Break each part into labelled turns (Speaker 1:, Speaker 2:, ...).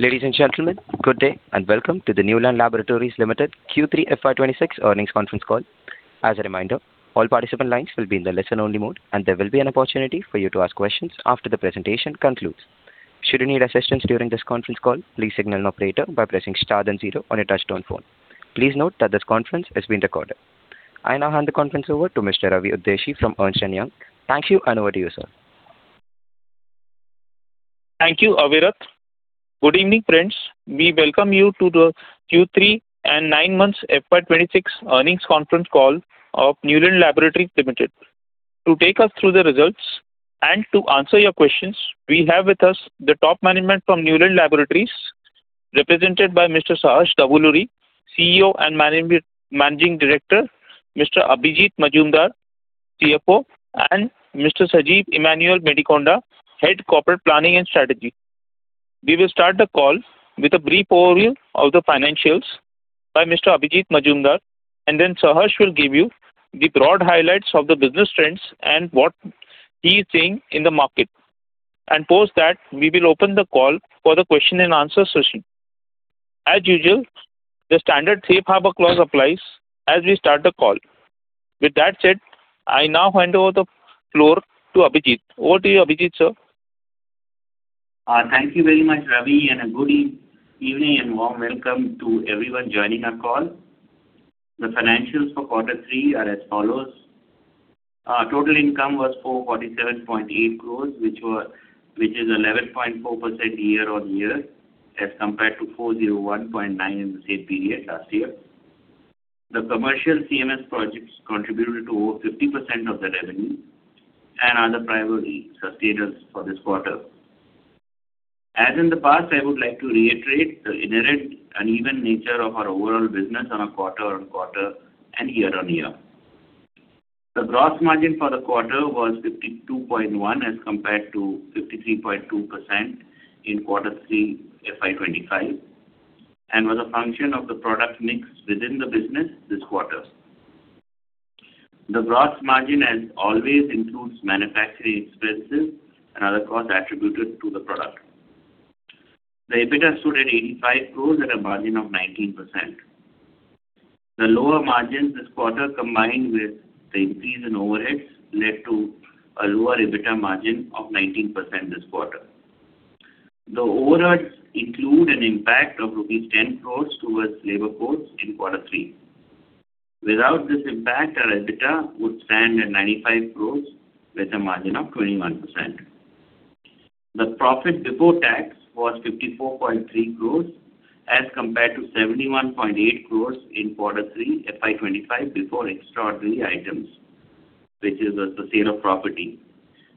Speaker 1: Ladies and gentlemen, good day and welcome to the Neuland Laboratories Limited Q3 FY26 Earnings Conference Call. As a reminder, all participant lines will be in the listen-only mode, and there will be an opportunity for you to ask questions after the presentation concludes. Should you need assistance during this conference call, please signal an operator by pressing star then zero on your touch-tone phone. Please note that this conference is being recorded. I now hand the conference over to Mr. Ravi Udeshi from Ernst & Young. Thank you, and over to you, sir.
Speaker 2: Thank you, Avirath. Good evening, friends. We welcome you to the Q3 and nine months FY26 earnings conference call of Neuland Laboratories Limited. To take us through the results and to answer your questions, we have with us the top management from Neuland Laboratories, represented by Mr. Saharsh Davuluri, CEO and Managing Director, Mr. Abhijit Majumdar, CFO, and Mr. Sajeev Emmanuel Medikonda, Head of Corporate Planning and Strategy. We will start the call with a brief overview of the financials by Mr. Abhijit Majumdar, and then Saharsh will give you the broad highlights of the business trends and what he is seeing in the market, and post that we will open the call for the question-and-answer session. As usual, the standard safe harbor clause applies as we start the call. With that said, I now hand over the floor to Abhijit. Over to you, Abhijit, sir.
Speaker 3: Thank you very much, Ravi, and a good evening and warm welcome to everyone joining our call. The financials for quarter 3 are as follows. Total income was 447.8 crores, which is 11.4% year-on-year as compared to 401.9 crores in the same period last year. The commercial CMS projects contributed to over 50% of the revenue and are the primary sustainers for this quarter. As in the past, I would like to reiterate the inherent uneven nature of our overall business on a quarter-on-quarter and year-on-year. The gross margin for the quarter was 52.1% as compared to 53.2% in quarter 3 FY25 and was a function of the product mix within the business this quarter. The gross margin, as always, includes manufacturing expenses and other costs attributed to the product. The EBITDA stood at 85 crores at a margin of 19%. The lower margins this quarter, combined with the increase in overheads, led to a lower EBITDA margin of 19% this quarter. The overheads include an impact of rupees 10 crores towards labor costs in quarter 3. Without this impact, our EBITDA would stand at 95 crores with a margin of 21%. The profit before tax was 54.3 crores as compared to 71.8 crores in quarter 3 FY25 before extraordinary items, which was the sale of property,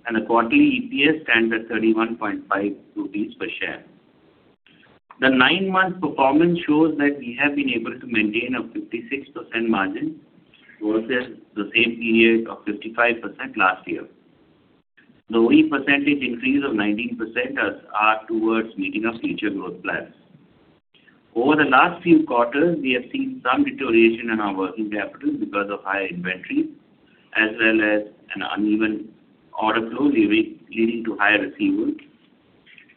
Speaker 3: and the quarterly EPS stands at 31.5 rupees per share. The 9-month performance shows that we have been able to maintain a 56% margin versus the same period of 55% last year. The only percentage increase of 19% is towards meeting our future growth plans. Over the last few quarters, we have seen some deterioration in our working capital because of higher inventory as well as an uneven order flow leading to higher receivables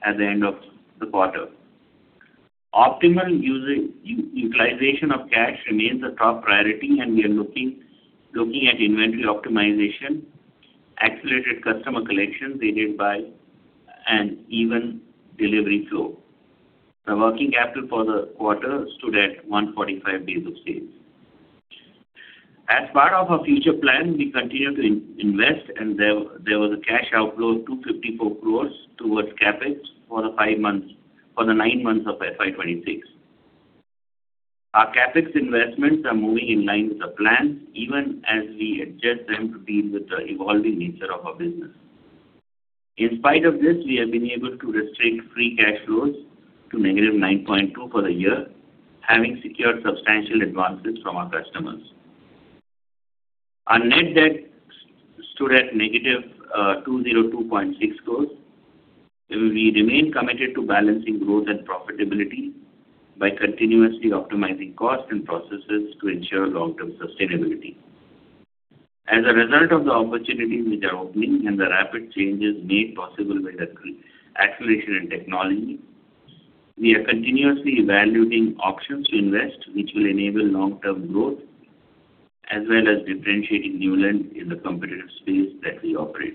Speaker 3: at the end of the quarter. Optimal utilization of cash remains a top priority, and we are looking at inventory optimization, accelerated customer collection aided by, and even delivery flow. The working capital for the quarter stood at 145 days of sales. As part of our future plan, we continue to invest, and there was a cash outflow of 254 crore towards CapEx for the nine months of FY26. Our CapEx investments are moving in line with the plans even as we adjust them to deal with the evolving nature of our business. In spite of this, we have been able to restrict free cash flows to -9.2 crore for the year, having secured substantial advances from our customers. Our net debt stood at -202.6 crores. We remain committed to balancing growth and profitability by continuously optimizing costs and processes to ensure long-term sustainability. As a result of the opportunities which are opening and the rapid changes made possible with acceleration in technology, we are continuously evaluating options to invest which will enable long-term growth as well as differentiating Neuland in the competitive space that we operate.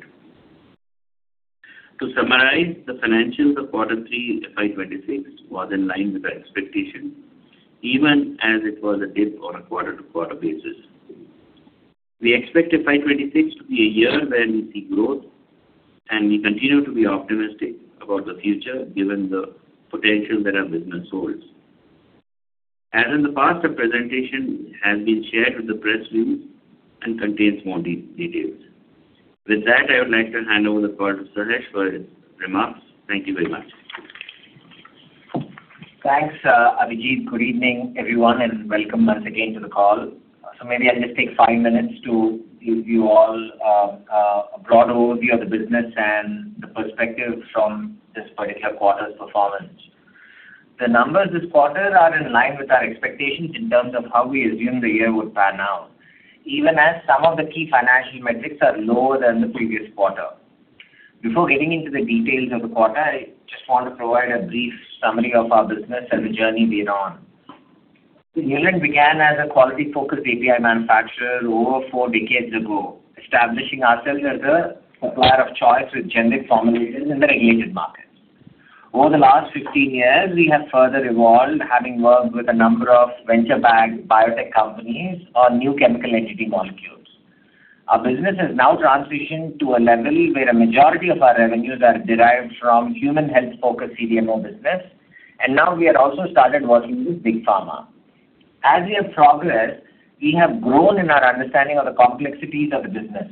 Speaker 3: To summarize, the financials of quarter 3 FY26 were in line with our expectations even as it was a dip on a quarter-to-quarter basis. We expect FY26 to be a year where we see growth, and we continue to be optimistic about the future given the potential that our business holds. As in the past, a presentation has been shared with the press release and contains more details. With that, I would like to hand over the call to Saharsh for his remarks. Thank you very much.
Speaker 4: Thanks, Abhijit. Good evening, everyone, and welcome once again to the call. So maybe I'll just take five minutes to give you all a broad overview of the business and the perspective from this particular quarter's performance. The numbers this quarter are in line with our expectations in terms of how we assume the year would pan out, even as some of the key financial metrics are lower than the previous quarter. Before getting into the details of the quarter, I just want to provide a brief summary of our business and the journey we're on. Neuland began as a quality-focused API manufacturer over four decades ago, establishing ourselves as a supplier of choice with generic formulations in the regulated markets. Over the last 15 years, we have further evolved, having worked with a number of venture-backed biotech companies on new chemical entity molecules. Our business has now transitioned to a level where a majority of our revenues are derived from human health-focused CDMO business, and now we have also started working with big pharma. As we have progressed, we have grown in our understanding of the complexities of the business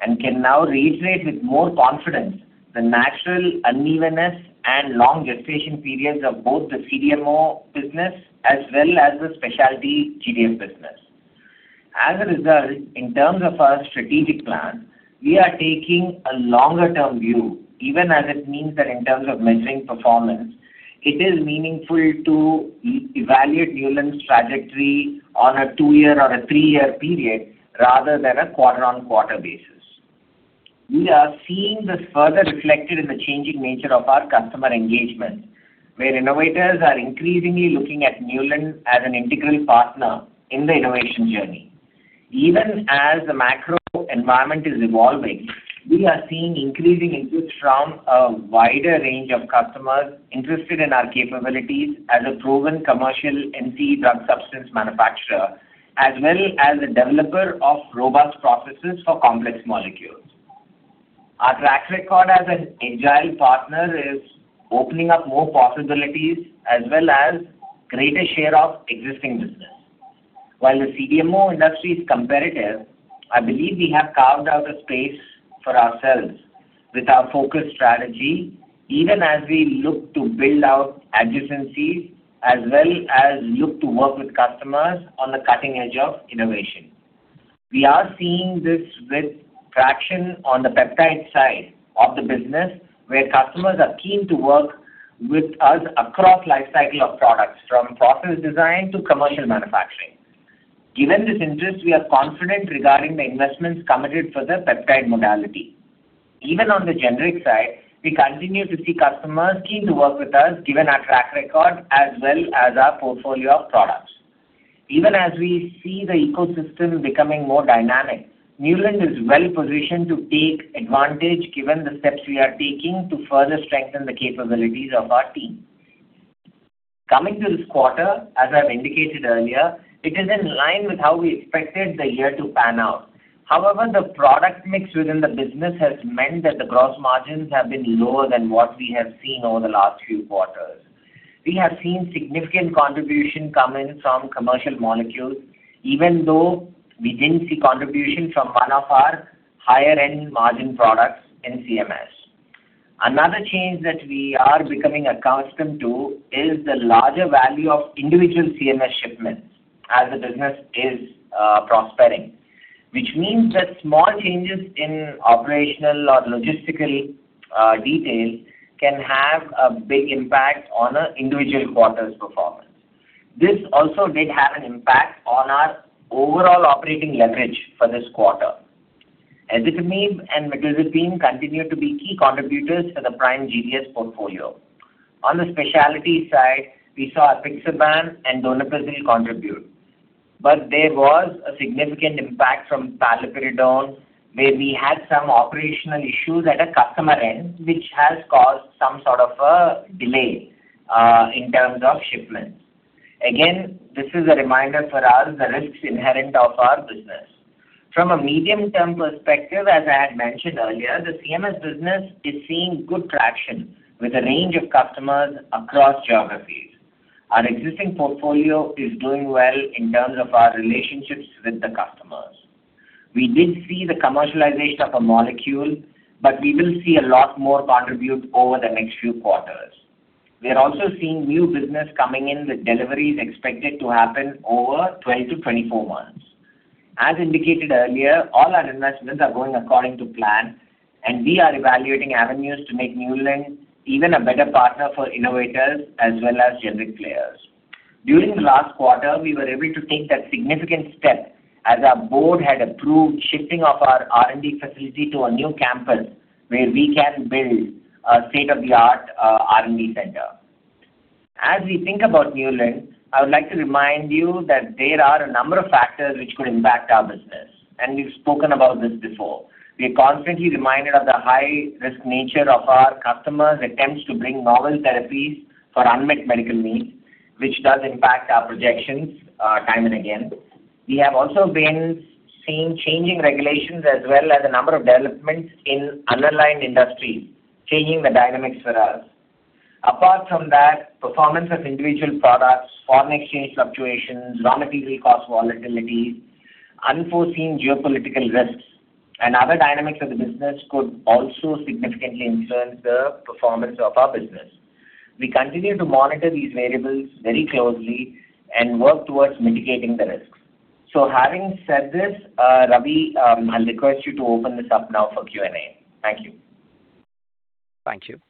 Speaker 4: and can now reiterate with more confidence the natural unevenness and long gestation periods of both the CDMO business as well as the Specialty GDS business. As a result, in terms of our strategic plan, we are taking a longer-term view, even as it means that in terms of measuring performance, it is meaningful to evaluate Neuland's trajectory on a two-year or a three-year period rather than a quarter-on-quarter basis. We are seeing this further reflected in the changing nature of our customer engagement, where innovators are increasingly looking at Neuland as an integral partner in the innovation journey. Even as the macro environment is evolving, we are seeing increasing interest from a wider range of customers interested in our capabilities as a proven commercial NCE drug substance manufacturer as well as a developer of robust processes for complex molecules. Our track record as an agile partner is opening up more possibilities as well as greater share of existing business. While the CDMO industry is competitive, I believe we have carved out a space for ourselves with our focused strategy, even as we look to build out adjacencies as well as look to work with customers on the cutting edge of innovation. We are seeing this with traction on the peptide side of the business, where customers are keen to work with us across the lifecycle of products, from process design to commercial manufacturing. Given this interest, we are confident regarding the investments committed for the peptide modality. Even on the generic side, we continue to see customers keen to work with us given our track record as well as our portfolio of products. Even as we see the ecosystem becoming more dynamic, Neuland is well positioned to take advantage given the steps we are taking to further strengthen the capabilities of our team. Coming to this quarter, as I've indicated earlier, it is in line with how we expected the year to pan out. However, the product mix within the business has meant that the gross margins have been lower than what we have seen over the last few quarters. We have seen significant contribution come in from commercial molecules, even though we didn't see contribution from one of our higher-end margin products in CMS. Another change that we are becoming accustomed to is the larger value of individual CMS shipments as the business is prospering, which means that small changes in operational or logistical details can have a big impact on individual quarters' performance. This also did have an impact on our overall operating leverage for this quarter. Ezetimibe and Mirtazapine continue to be key contributors to the Prime GDS portfolio. On the specialty side, we saw Apixaban and Donepezil contribute, but there was a significant impact from paliperidone, where we had some operational issues at a customer end, which has caused some sort of a delay in terms of shipments. Again, this is a reminder for us of the risks inherent of our business. From a medium-term perspective, as I had mentioned earlier, the CMS business is seeing good traction with a range of customers across geographies. Our existing portfolio is doing well in terms of our relationships with the customers. We did see the commercialization of a molecule, but we will see a lot more contribute over the next few quarters. We are also seeing new business coming in with deliveries expected to happen over 12-24 months. As indicated earlier, all our investments are going according to plan, and we are evaluating avenues to make Neuland even a better partner for innovators as well as generic players. During the last quarter, we were able to take that significant step as our board had approved shifting of our R&D facility to a new campus where we can build a state-of-the-art R&D center. As we think about Neuland, I would like to remind you that there are a number of factors which could impact our business, and we've spoken about this before. We are constantly reminded of the high-risk nature of our customers' attempts to bring novel therapies for unmet medical needs, which does impact our projections time and again. We have also been seeing changing regulations as well as a number of developments in underlying industries changing the dynamics for us. Apart from that, performance of individual products, foreign exchange fluctuations, raw material cost volatility, unforeseen geopolitical risks, and other dynamics of the business could also significantly influence the performance of our business. We continue to monitor these variables very closely and work towards mitigating the risks. So having said this, Ravi, I'll request you to open this up now for Q&A. Thank you.
Speaker 1: Thank you.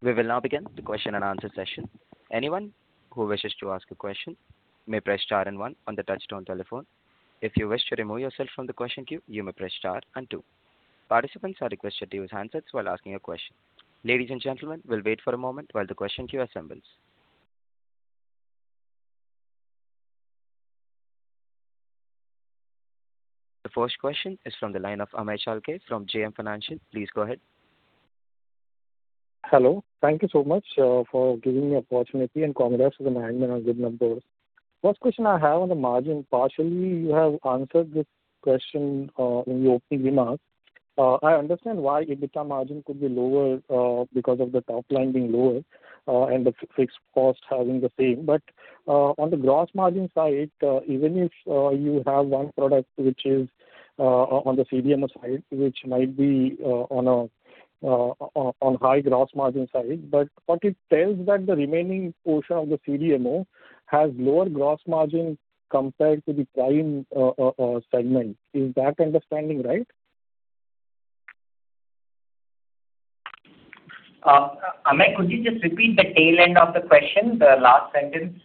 Speaker 1: We will now begin the question-and-answer session. Anyone who wishes to ask a question may press star and one on the touch-tone telephone. If you wish to remove yourself from the question queue, you may press star and two. Participants are requested to use handsets while asking a question. Ladies and gentlemen, we'll wait for a moment while the question queue assembles. The first question is from the line of Amey Chalke from JM Financial. Please go ahead.
Speaker 5: Hello. Thank you so much for giving me the opportunity and congrats to the management on good numbers. First question I have on the margin. Partially, you have answered this question in your opening remarks. I understand why EBITDA margin could be lower because of the top line being lower and the fixed cost having the same. But on the gross margin side, even if you have one product which is on the CDMO side, which might be on a high gross margin side, but what it tells is that the remaining portion of the CDMO has lower gross margin compared to the prime segment. Is that understanding right?
Speaker 4: Amey, could you just repeat the tail end of the question, the last sentence?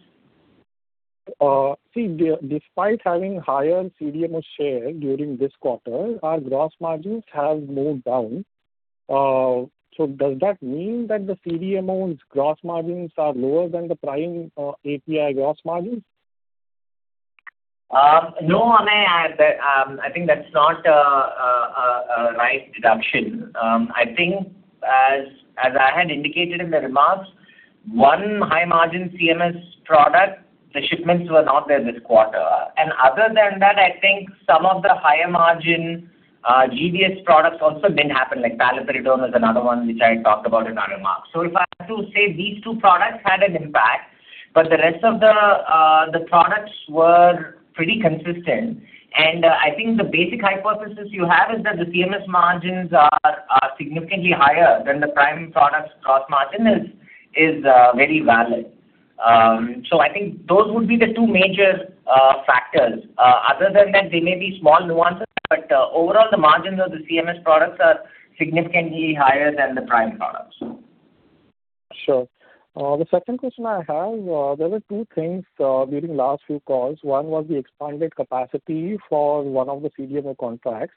Speaker 5: See, despite having higher CDMO share during this quarter, our gross margins have moved down. So does that mean that the CDMO's gross margins are lower than the prime API gross margins?
Speaker 4: No, Amey. I think that's not a right deduction. I think, as I had indicated in the remarks, one high-margin CMS product, the shipments were not there this quarter. And other than that, I think some of the higher-margin GDS products also didn't happen. Paliperidone was another one which I talked about in our remarks. So if I have to say, these two products had an impact, but the rest of the products were pretty consistent. And I think the basic hypothesis you have is that the CMS margins are significantly higher than the Prime product's gross margin is very valid. So I think those would be the two major factors. Other than that, there may be small nuances, but overall, the margins of the CMS products are significantly higher than the Prime products.
Speaker 5: Sure. The second question I have, there were two things during the last few calls. One was the expanded capacity for one of the CDMO contracts,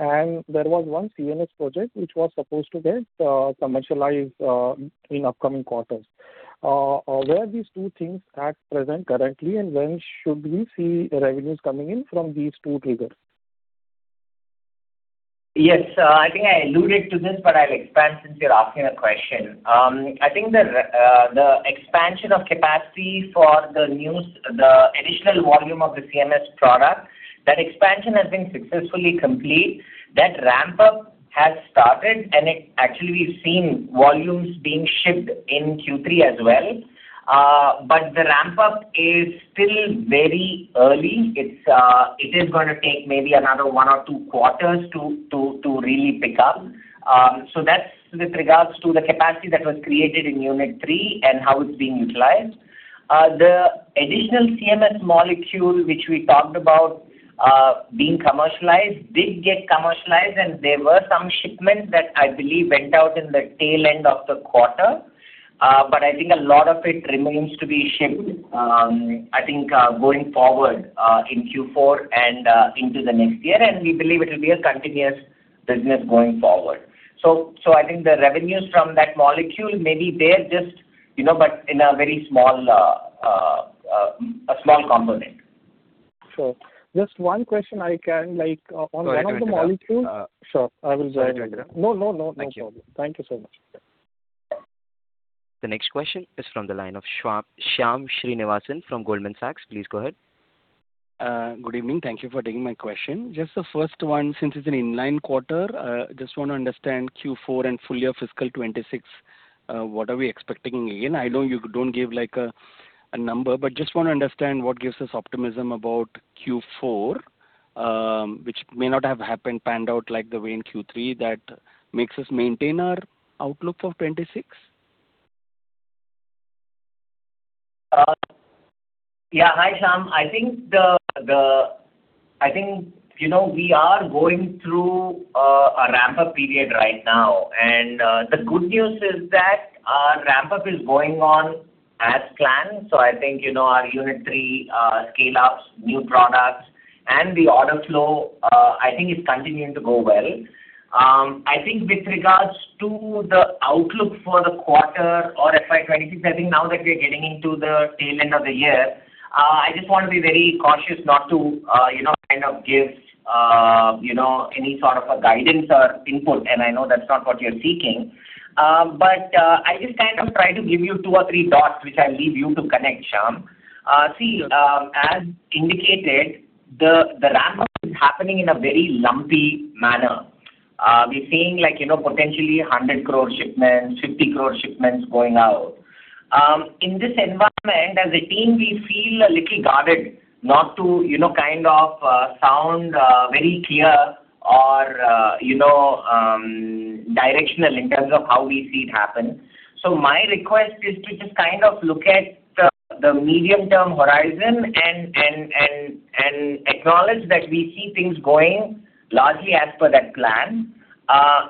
Speaker 5: and there was one CMS project which was supposed to get commercialized in upcoming quarters. Where are these two things at present currently, and when should we see revenues coming in from these two triggers?
Speaker 4: Yes. I think I alluded to this, but I'll expand since you're asking a question. I think the expansion of capacity for the additional volume of the CMS product, that expansion has been successfully complete. That ramp-up has started, and actually, we've seen volumes being shipped in Q3 as well. But the ramp-up is still very early. It is going to take maybe another one or two quarters to really pick up. So that's with regards to the capacity that was created in Unit 3 and how it's being utilized. The additional CMS molecule which we talked about being commercialized did get commercialized, and there were some shipments that I believe went out in the tail end of the quarter. But I think a lot of it remains to be shipped, I think, going forward in Q4 and into the next year. We believe it will be a continuous business going forward. I think the revenues from that molecule, maybe they're just but in a very small component.
Speaker 5: Sure. Just one question I can. On one of the molecules, sure, I will join in. No, no, no. No problem. Thank you so much.
Speaker 1: The next question is from the line of Shyam Srinivasan from Goldman Sachs. Please go ahead.
Speaker 6: Good evening. Thank you for taking my question. Just the first one, since it's an inline quarter, I just want to understand Q4 and fully a fiscal 2026, what are we expecting again? I know you don't give a number, but just want to understand what gives us optimism about Q4, which may not have panned out the way in Q3. That makes us maintain our outlook for 2026?
Speaker 4: Yeah. Hi, Shyam. I think we are going through a ramp-up period right now. The good news is that our ramp-up is going on as planned. So I think our unit three scale-ups, new products, and the order flow, I think, is continuing to go well. I think with regards to the outlook for the quarter or FY 2026, I think now that we're getting into the tail end of the year, I just want to be very cautious not to kind of give any sort of guidance or input. And I know that's not what you're seeking. But I'll just kind of try to give you two or three dots, which I'll leave you to connect, Shyam. See, as indicated, the ramp-up is happening in a very lumpy manner. We're seeing potentially 100 crore shipments, 50 crore shipments going out. In this environment, as a team, we feel a little guarded not to kind of sound very clear or directional in terms of how we see it happen. So my request is to just kind of look at the medium-term horizon and acknowledge that we see things going largely as per that plan.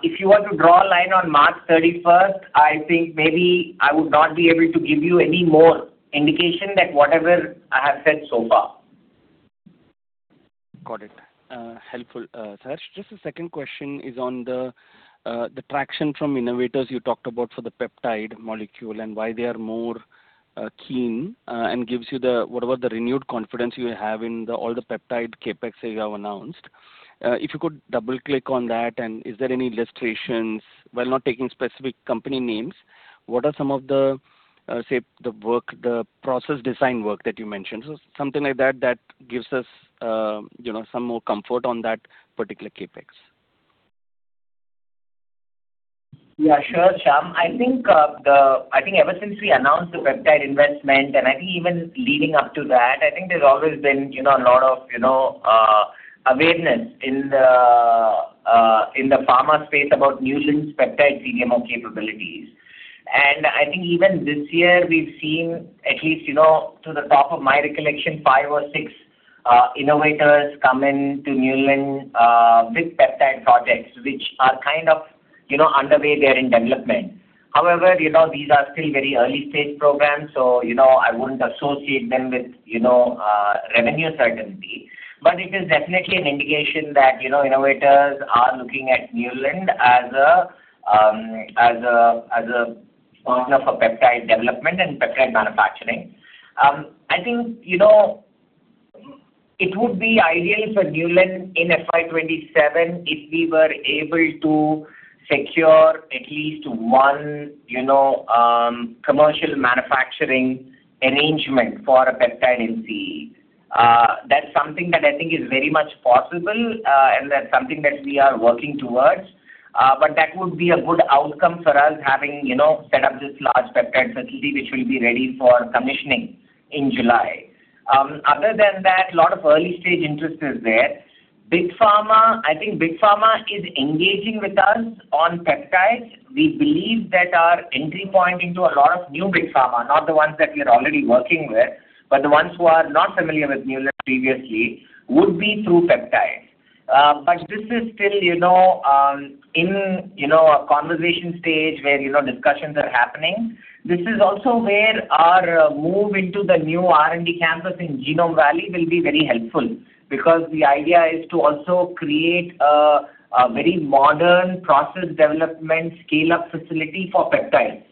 Speaker 4: If you were to draw a line on March 31st, I think maybe I would not be able to give you any more indication than whatever I have said so far.
Speaker 6: Got it. Helpful, Saharsh. Just the second question is on the traction from innovators you talked about for the peptide molecule and why they are more keen and gives you whatever the renewed confidence you have in all the peptide CapEx that you have announced. If you could double-click on that, and is there any illustrations? While not taking specific company names, what are some of the, say, the process design work that you mentioned? So something like that that gives us some more comfort on that particular CapEx.
Speaker 4: Yeah. Sure, Shyam. I think ever since we announced the peptide investment and I think even leading up to that, I think there's always been a lot of awareness in the pharma space about Neuland's peptide CDMO capabilities. I think even this year, we've seen, at least to the top of my recollection, five or six innovators come into Neuland with peptide projects which are kind of underway. They're in development. However, these are still very early-stage programs, so I wouldn't associate them with revenue certainty. But it is definitely an indication that innovators are looking at Neuland as a partner for peptide development and peptide manufacturing. I think it would be ideal for Neuland in FY 2027 if we were able to secure at least one commercial manufacturing arrangement for a peptide NCE. That's something that I think is very much possible, and that's something that we are working towards. But that would be a good outcome for us having set up this large peptide facility which will be ready for commissioning in July. Other than that, a lot of early-stage interest is there. I think Big Pharma is engaging with us on peptides. We believe that our entry point into a lot of new Big Pharma, not the ones that we're already working with, but the ones who are not familiar with Neuland previously, would be through peptides. But this is still in a conversation stage where discussions are happening. This is also where our move into the new R&D campus in Genome Valley will be very helpful because the idea is to also create a very modern process development scale-up facility for peptides.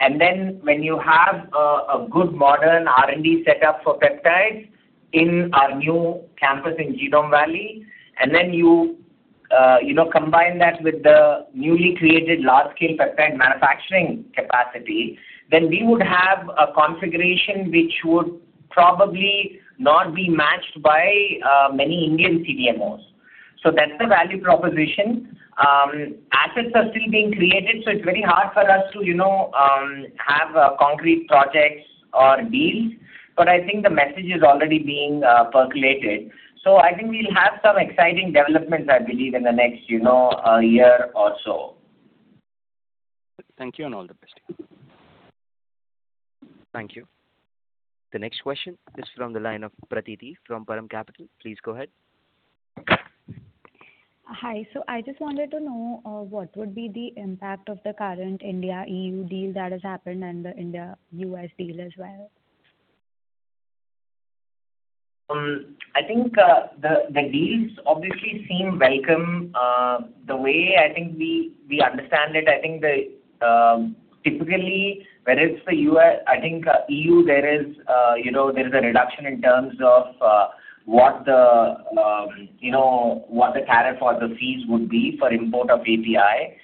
Speaker 4: And then when you have a good modern R&D setup for peptides in our new campus in Genome Valley, and then you combine that with the newly created large-scale peptide manufacturing capacity, then we would have a configuration which would probably not be matched by many Indian CDMOs. So that's the value proposition. Assets are still being created, so it's very hard for us to have concrete projects or deals. But I think the message is already being percolated. So I think we'll have some exciting developments, I believe, in the next year or so.
Speaker 1: Thank you, and all the best. Thank you. The next question is from the line of Pratiti from Param Capital. Please go ahead.
Speaker 7: Hi. I just wanted to know what would be the impact of the current India-EU deal that has happened and the India-US deal as well?
Speaker 4: I think the deals obviously seem welcome. The way I think we understand it, I think typically, whether it's the U.S., I think E.U., there is a reduction in terms of what the tariff or the fees would be for import of API.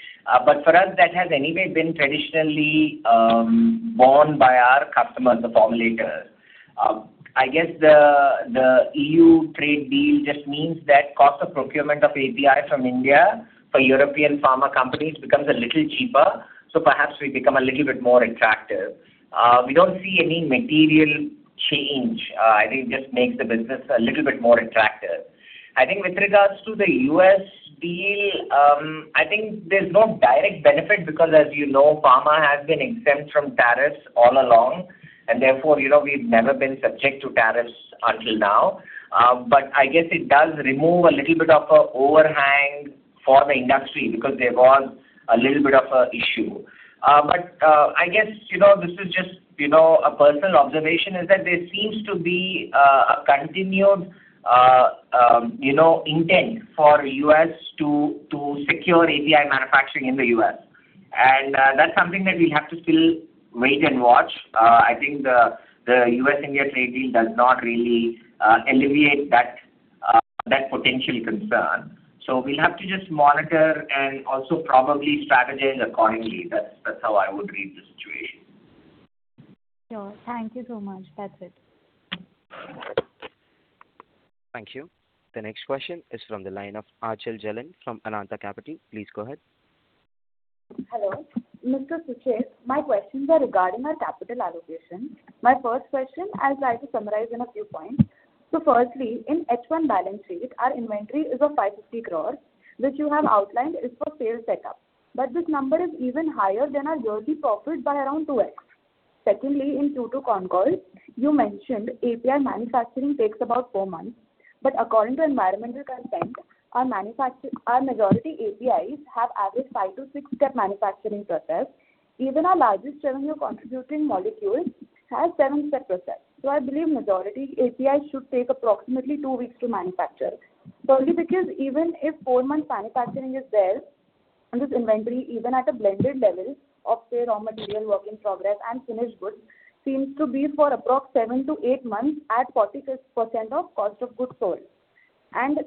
Speaker 4: But for us, that has anyway been traditionally borne by our customers, the formulators. I guess the E.U. trade deal just means that cost of procurement of API from India for European pharma companies becomes a little cheaper. So perhaps we become a little bit more attractive. We don't see any material change. I think it just makes the business a little bit more attractive. I think with regards to the U.S. deal, I think there's no direct benefit because, as you know, pharma has been exempt from tariffs all along, and therefore, we've never been subject to tariffs until now. But I guess it does remove a little bit of an overhang for the industry because there was a little bit of an issue. But I guess this is just a personal observation, is that there seems to be a continued intent for the U.S. to secure API manufacturing in the U.S. And that's something that we'll have to still wait and watch. I think the U.S.-India trade deal does not really alleviate that potential concern. So we'll have to just monitor and also probably strategize accordingly. That's how I would read the situation.
Speaker 7: Sure. Thank you so much. That's it.
Speaker 1: Thank you. The next question is from the line of Archit Jalan from Ananta Capital. Please go ahead.
Speaker 8: Hello. Mr. Sajeev, my questions are regarding our capital allocation. My first question I'll try to summarize in a few points. So firstly, in H1 balance sheet, our inventory is of 550 crore. Which you have outlined is for safety stock. But this number is even higher than our yearly profit by around 2x. Secondly, in Q2 concall, you mentioned API manufacturing takes about four months. But according to environmental constraints, our majority APIs have average five to six-step manufacturing process. Even our largest revenue-contributing molecule has seven-step process. So I believe majority APIs should take approximately two weeks to manufacture. Firstly, because even if four-month manufacturing is there, this inventory, even at a blended level of raw material work in progress and finished goods, seems to be for approximately seven to eight months at 40% of cost of goods sold.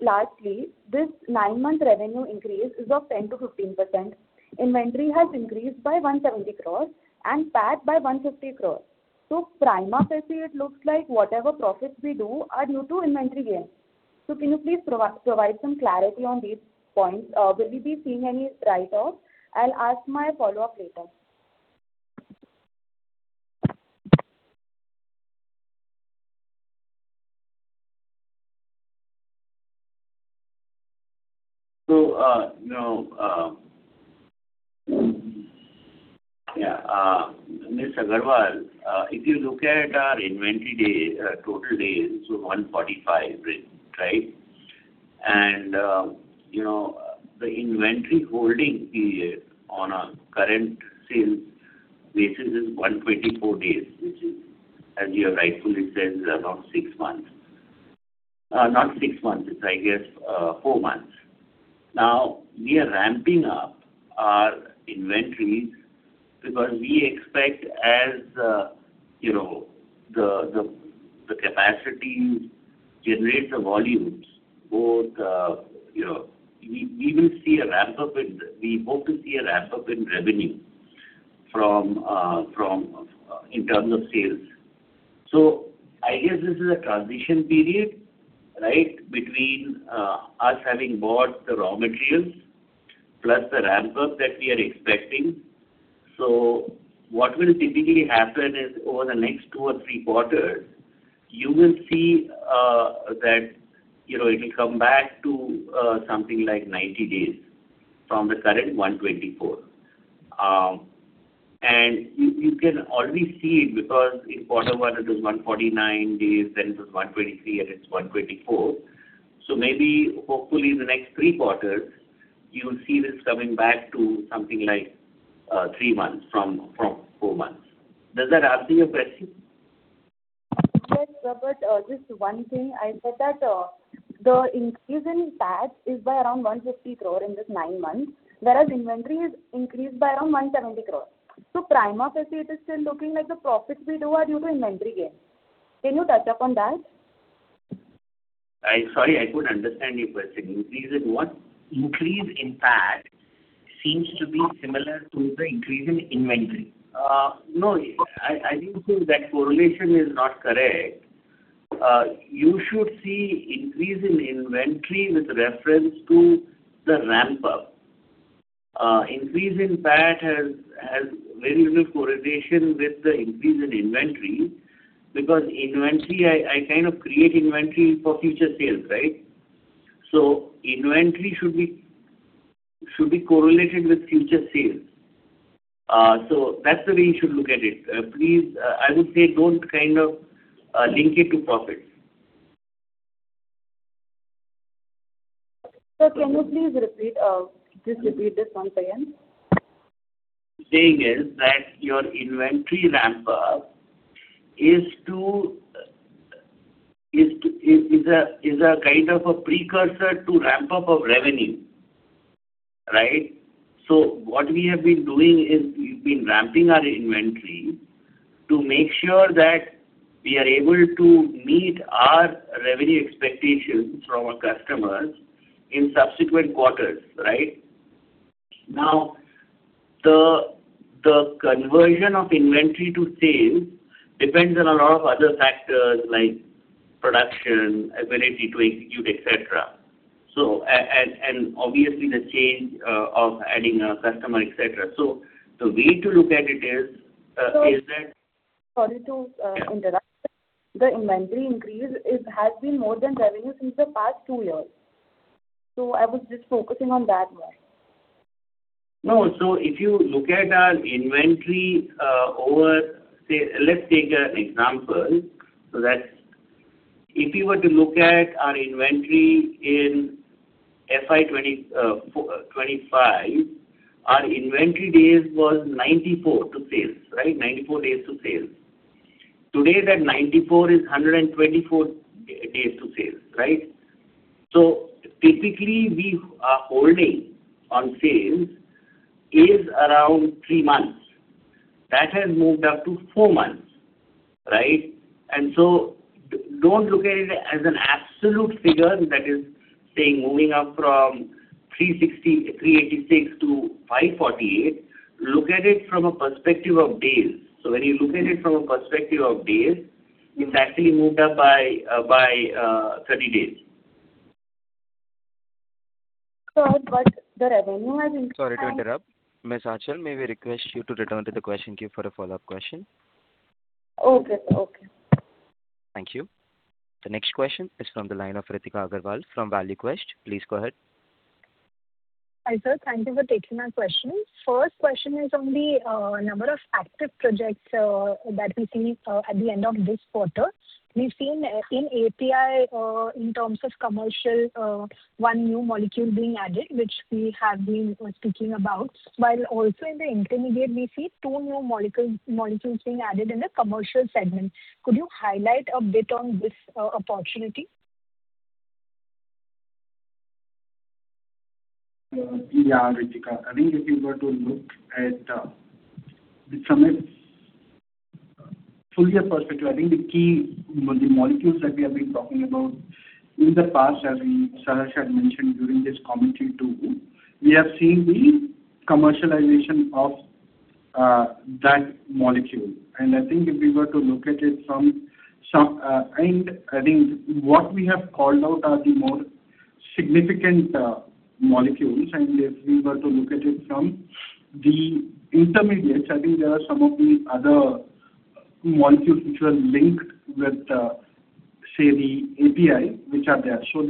Speaker 8: Lastly, this nine-month revenue increase is of 10%-15%. Inventory has increased by 170 crore and packed by 150 crore. So prima facie, it looks like whatever profits we do are due to inventory gains. So can you please provide some clarity on these points? Will we be seeing any write-off? I'll ask my follow-up later.
Speaker 3: So yeah. Mr. Jalan, if you look at our inventory day, total day, so 145, right? And the inventory holding period on a current sales basis is 124 days, which is, as you are rightfully saying, is about six months. Not six months. It's, I guess, four months. Now, we are ramping up our inventories because we expect, as the capacity generates the volumes, both we will see a ramp-up in we hope to see a ramp-up in revenue in terms of sales. So I guess this is a transition period, right, between us having bought the raw materials plus the ramp-up that we are expecting. So what will typically happen is, over the next two or three quarters, you will see that it'll come back to something like 90 days from the current 124. And you can already see it because in quarter one, it was 149 days. Then it was 123, and it's 124. So maybe, hopefully, in the next three quarters, you'll see this coming back to something like three months from four months. Does that answer your question?
Speaker 8: Yes, Abhijit. Just one thing. I said that the increase in PAT is by around 150 crore in these nine months, whereas inventory is increased by around 170 crore. So prima facie, it is still looking like the profits we do are due to inventory gain. Can you touch upon that?
Speaker 3: Sorry. I couldn't understand your question. Increase in what? Increase in PAT seems to be similar to the increase in inventory. No, I didn't think that correlation is not correct. You should see increase in inventory with reference to the ramp-up. Increase in PAT has very little correlation with the increase in inventory because I kind of create inventory for future sales, right? So inventory should be correlated with future sales. So that's the way you should look at it. I would say don't kind of link it to profits.
Speaker 8: Can you please just repeat this once again?
Speaker 3: Saying is that your inventory ramp-up is a kind of a precursor to ramp-up of revenue, right? So what we have been doing is we've been ramping our inventory to make sure that we are able to meet our revenue expectations from our customers in subsequent quarters, right? Now, the conversion of inventory to sales depends on a lot of other factors like production, ability to execute, etc., and obviously, the change of adding a customer, etc. So the way to look at it is that.
Speaker 8: Sorry to interrupt. The inventory increase has been more than revenue since the past two years. I was just focusing on that one.
Speaker 3: No. So if you look at our inventory over, let's take an example. So if you were to look at our inventory in FY 2025, our inventory days was 94 to sales, right? 94 days to sales. Today, that 94 is 124 days to sales, right? So typically, we are holding on sales is around three months. That has moved up to four months, right? And so don't look at it as an absolute figure that is saying moving up from 386 to 548. Look at it from a perspective of days. So when you look at it from a perspective of days, it's actually moved up by 30 days.
Speaker 8: Sir, but the revenue has.
Speaker 1: Sorry to interrupt. Miss Archit, may we request you to return to the question queue for a follow-up question?
Speaker 8: Okay. Okay.
Speaker 1: Thank you. The next question is from the line of Ritika Agarwal from ValueQuest. Please go ahead.
Speaker 9: Hi, sir. Thank you for taking my question. First question is on the number of active projects that we see at the end of this quarter. We've seen in API, in terms of commercial, 1 new molecule being added, which we have been speaking about. While also in the intermediate, we see 2 new molecules being added in the commercial segment. Could you highlight a bit on this opportunity?
Speaker 10: Yeah, Ritika. I think if you were to look at it from a fuller perspective, I think the key molecules that we have been talking about in the past, as Saharsh had mentioned during this commentary too, we have seen the commercialization of that molecule. And I think if we were to look at it from and I think what we have called out are the more significant molecules. And if we were to look at it from the intermediates, I think there are some of the other molecules which are linked with, say, the API, which are there. So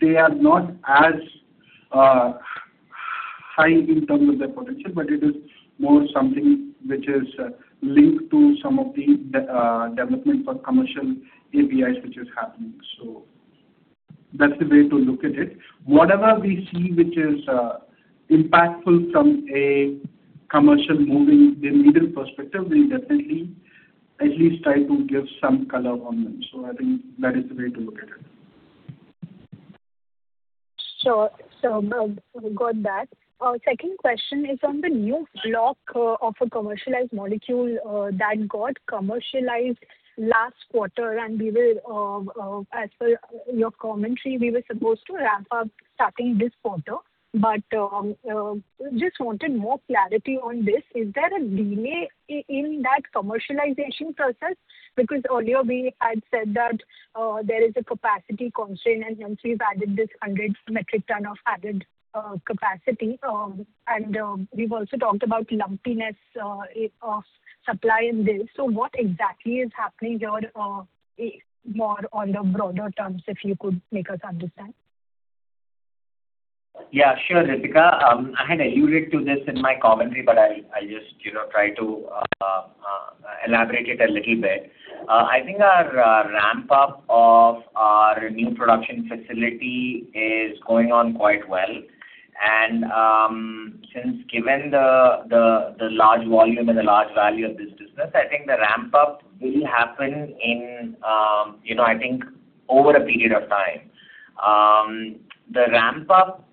Speaker 10: they are not as high in terms of their potential, but it is more something which is linked to some of the development for commercial APIs which is happening. So that's the way to look at it. Whatever we see which is impactful from a commercial moving the middle perspective, we'll definitely at least try to give some color on them. So I think that is the way to look at it.
Speaker 9: Sure. Our second question is on the new block of a commercialized molecule that got commercialized last quarter. And as per your commentary, we were supposed to wrap up starting this quarter. But just wanted more clarity on this. Is there a delay in that commercialization process? Because earlier, we had said that there is a capacity constraint, and hence, we've added this 100 metric ton of added capacity. And we've also talked about lumpiness of supply in this. So what exactly is happening here, more on the broader terms, if you could make us understand?
Speaker 4: Yeah. Sure, Ritika. I had alluded to this in my commentary, but I'll just try to elaborate it a little bit. I think our ramp-up of our new production facility is going on quite well. And given the large volume and the large value of this business, I think the ramp-up will happen in, I think, over a period of time. The ramp-up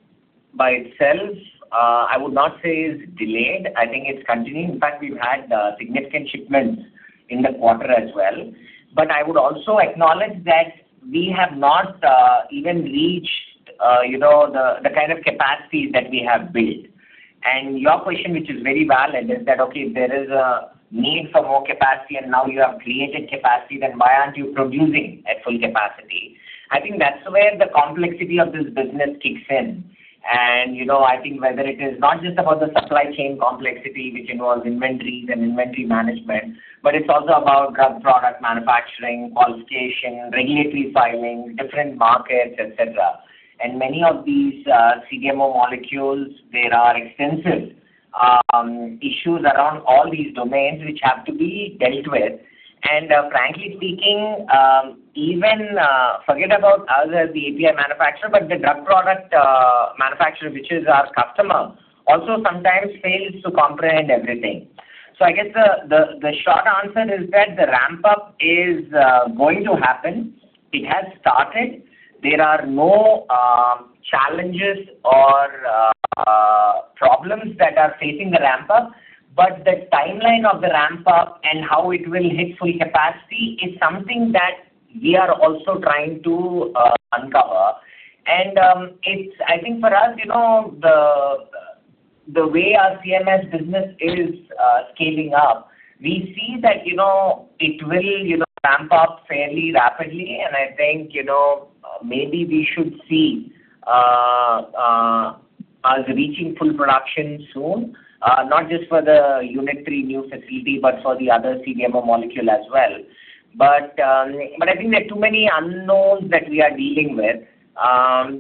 Speaker 4: by itself, I would not say is delayed. I think it's continuing. In fact, we've had significant shipments in the quarter as well. But I would also acknowledge that we have not even reached the kind of capacity that we have built. And your question, which is very valid, is that, "Okay, there is a need for more capacity, and now you have created capacity. Then why aren't you producing at full capacity?" I think that's where the complexity of this business kicks in. I think whether it is not just about the supply chain complexity, which involves inventories and inventory management, but it's also about drug product manufacturing, qualification, regulatory filing, different markets, etc. And many of these CDMO molecules, there are extensive issues around all these domains which have to be dealt with. And frankly speaking, even forget about us as the API manufacturer, but the drug product manufacturer, which is our customer, also sometimes fails to comprehend everything. So I guess the short answer is that the ramp-up is going to happen. It has started. There are no challenges or problems that are facing the ramp-up. But the timeline of the ramp-up and how it will hit full capacity is something that we are also trying to uncover. And I think for us, the way our CMS business is scaling up, we see that it will ramp up fairly rapidly. I think maybe we should see us reaching full production soon, not just for the Unit 3 new facility, but for the other CDMO molecule as well. But I think there are too many unknowns that we are dealing with.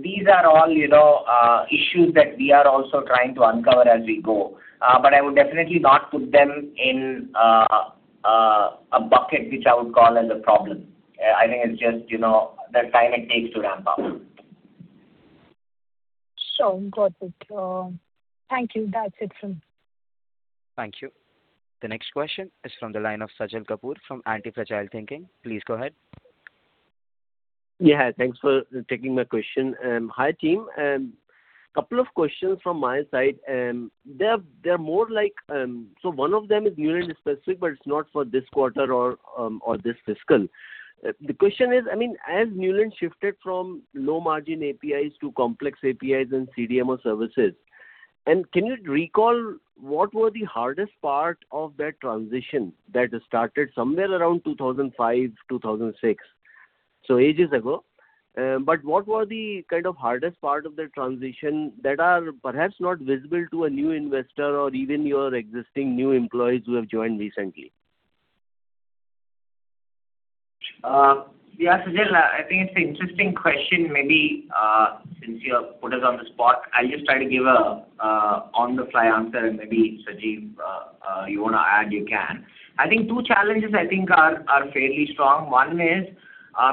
Speaker 4: These are all issues that we are also trying to uncover as we go. But I would definitely not put them in a bucket which I would call as a problem. I think it's just the time it takes to ramp up.
Speaker 9: Sure. Got it. Thank you. That's it from me.
Speaker 1: Thank you. The next question is from the line of Sajal Kapoor from Antifragile Thinking. Please go ahead.
Speaker 11: Yeah. Thanks for taking my question. Hi, team. A couple of questions from my side. They're more like, so one of them is Neuland specific, but it's not for this quarter or this fiscal. The question is, I mean, as Neuland shifted from low-margin APIs to complex APIs and CDMO services, and can you recall what were the hardest part of that transition that started somewhere around 2005, 2006, so ages ago? But what were the kind of hardest part of the transition that are perhaps not visible to a new investor or even your existing new employees who have joined recently?
Speaker 4: Yeah, Sajal, I think it's an interesting question. Maybe since you put us on the spot, I'll just try to give a on-the-fly answer, and maybe, Sajeev, you want to add, you can. I think two challenges, I think, are fairly strong. One is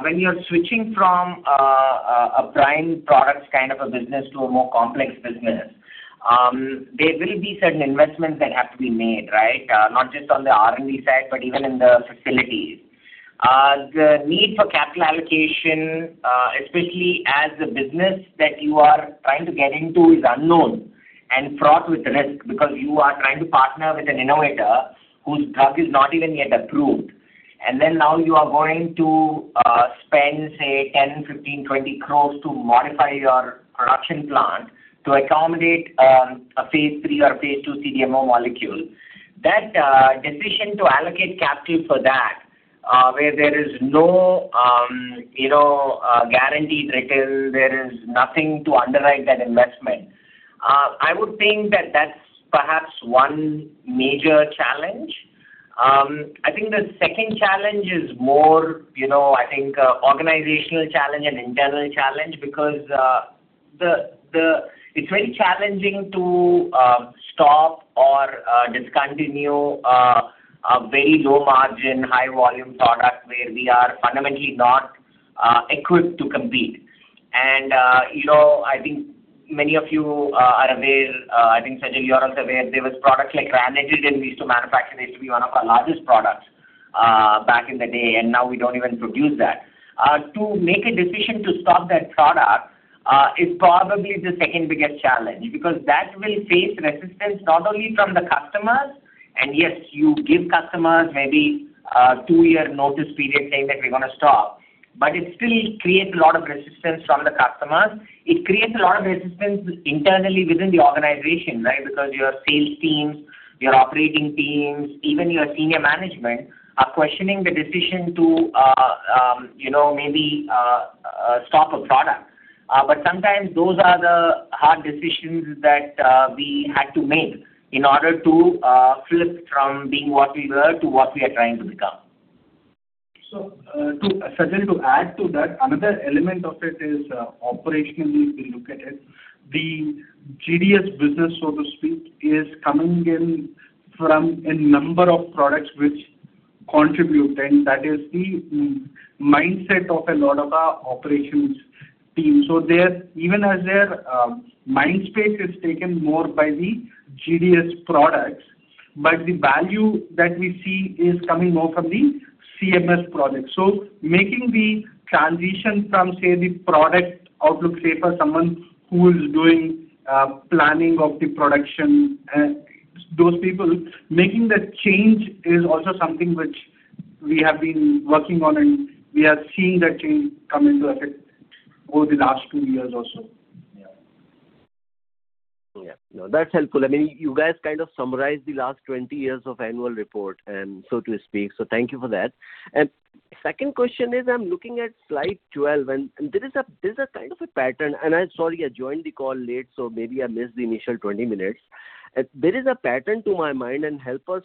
Speaker 4: when you're switching from a prime products kind of a business to a more complex business, there will be certain investments that have to be made, right, not just on the R&D side, but even in the facilities. The need for capital allocation, especially as a business that you are trying to get into, is unknown and fraught with risk because you are trying to partner with an innovator whose drug is not even yet approved. And then now you are going to spend, say, 10, 15, 20 crores to modify your production plant to accommodate a phase III or phase II CDMO molecule. That decision to allocate capital for that, where there is no guarantee written, there is nothing to underwrite that investment, I would think that that's perhaps one major challenge. I think the second challenge is more, I think, organizational challenge and internal challenge because it's very challenging to stop or discontinue a very low-margin, high-volume product where we are fundamentally not equipped to compete. I think many of you are aware. I think, Sajal, you're also aware. There was a product like Ranitidine, which used to be one of our largest products back in the day. And now we don't even produce that. To make a decision to stop that product is probably the second biggest challenge because that will face resistance not only from the customers. And yes, you give customers maybe a two-year notice period saying that we're going to stop, but it still creates a lot of resistance from the customers. It creates a lot of resistance internally within the organization, right, because your sales teams, your operating teams, even your senior management are questioning the decision to maybe stop a product. But sometimes, those are the hard decisions that we had to make in order to flip from being what we were to what we are trying to become.
Speaker 10: So, Sajal, to add to that, another element of it is operationally, if we look at it, the GDS business, so to speak, is coming in from a number of products which contribute. That is the mindset of a lot of our operations team. Even as their mindspace is taken more by the GDS products, but the value that we see is coming more from the CMS projects. Making the transition from, say, the product outlook safe for someone who is doing planning of the production, those people, making that change is also something which we have been working on. We are seeing that change come into effect over the last two years also.
Speaker 11: Yeah. Yeah. No, that's helpful. I mean, you guys kind of summarized the last 20 years of annual report, so to speak. So thank you for that. Second question is, I'm looking at slide 12, and there is a kind of a pattern. Sorry, I joined the call late, so maybe I missed the initial 20 minutes. There is a pattern to my mind. Help us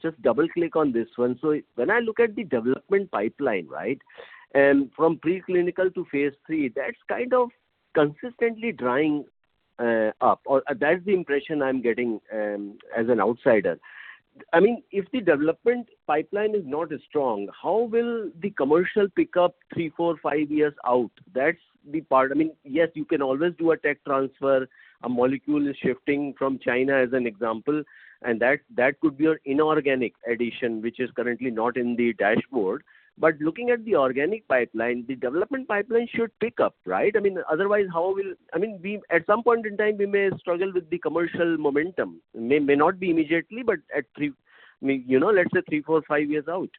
Speaker 11: just double-click on this one. So when I look at the development pipeline, right, from preclinical to phase III, that's kind of consistently drying up, or that's the impression I'm getting as an outsider. I mean, if the development pipeline is not strong, how will the commercial pick up three, four, five years out? That's the part. I mean, yes, you can always do a tech transfer. A molecule is shifting from China, as an example.
Speaker 12: And that could be an inorganic addition, which is currently not in the dashboard. But looking at the organic pipeline, the development pipeline should pick up, right? I mean, otherwise, how will I mean, at some point in time, we may struggle with the commercial momentum. It may not be immediately, but let's say three, four, five years out.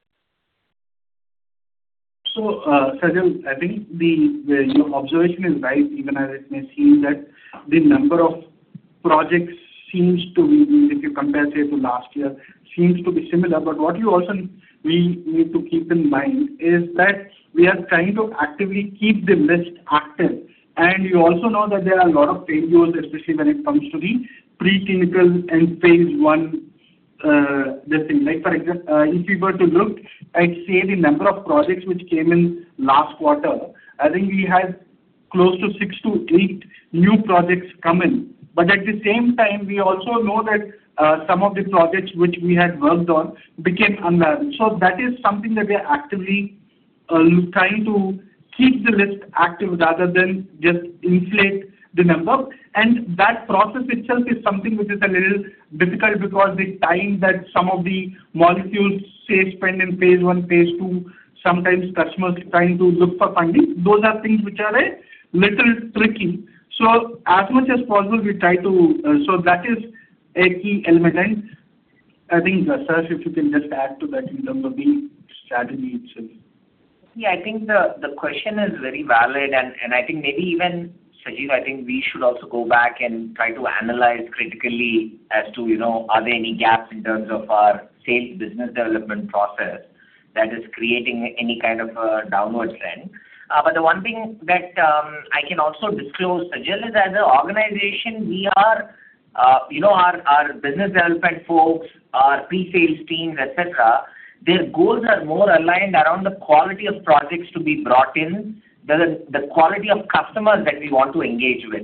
Speaker 10: So, Sajal, I think your observation is right, even as it may seem, that the number of projects seems to be if you compare, say, to last year, seems to be similar. But what we also need to keep in mind is that we are trying to actively keep the list active. And you also know that there are a lot of failures, especially when it comes to the preclinical and phase I this thing. For example, if you were to look at, say, the number of projects which came in last quarter, I think we had close to six to eight new projects come in. But at the same time, we also know that some of the projects which we had worked on became unvalued. So that is something that we are actively trying to keep the list active rather than just inflate the number. And that process itself is something which is a little difficult because the time that some of the molecules, say, spend in phase I, phase II, sometimes customers trying to look for funding, those are things which are a little tricky. So as much as possible, we try to so that is a key element. And I think, Sajal, if you can just add to that in terms of the strategy itself.
Speaker 4: Yeah. I think the question is very valid. And I think maybe even, Sajeev, I think we should also go back and try to analyze critically as to are there any gaps in terms of our sales business development process that is creating any kind of a downward trend. But the one thing that I can also disclose, Sajal, is as an organization, we are our business development folks, our pre-sales teams, etc., their goals are more aligned around the quality of projects to be brought in, the quality of customers that we want to engage with.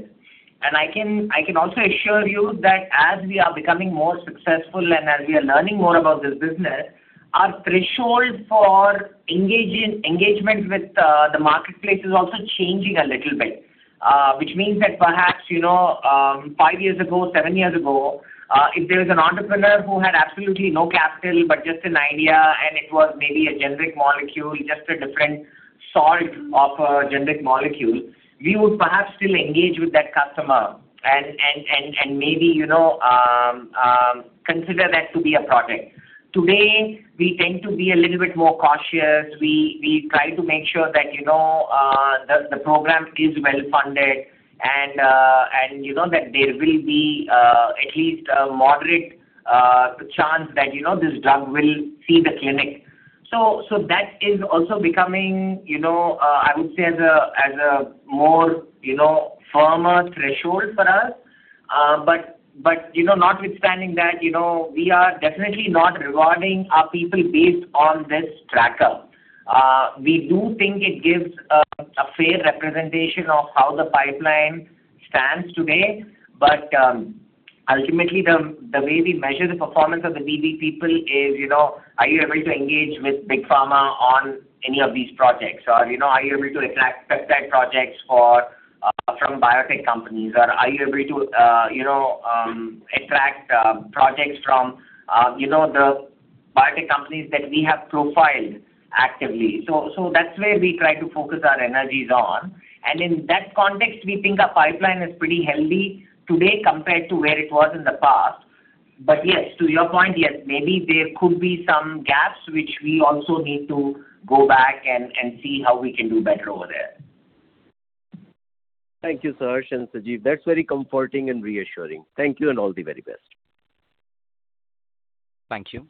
Speaker 4: I can also assure you that as we are becoming more successful and as we are learning more about this business, our threshold for engagement with the marketplace is also changing a little bit, which means that perhaps five years ago, seven years ago, if there was an entrepreneur who had absolutely no capital but just an idea, and it was maybe a generic molecule, just a different salt of a generic molecule, we would perhaps still engage with that customer and maybe consider that to be a project. Today, we tend to be a little bit more cautious. We try to make sure that the program is well-funded and that there will be at least a moderate chance that this drug will see the clinic. So that is also becoming, I would say, as a more firmer threshold for us. But notwithstanding that, we are definitely not rewarding our people based on this tracker. We do think it gives a fair representation of how the pipeline stands today. But ultimately, the way we measure the performance of the BB people is, are you able to engage with big pharma on any of these projects? Or are you able to attract peptide projects from biotech companies? Or are you able to attract projects from the biotech companies that we have profiled actively? So that's where we try to focus our energies on. And in that context, we think our pipeline is pretty healthy today compared to where it was in the past. But yes, to your point, yes, maybe there could be some gaps which we also need to go back and see how we can do better over there.
Speaker 11: Thank you, Sajal and Saji. That's very comforting and reassuring. Thank you and all the very best.
Speaker 1: Thank you.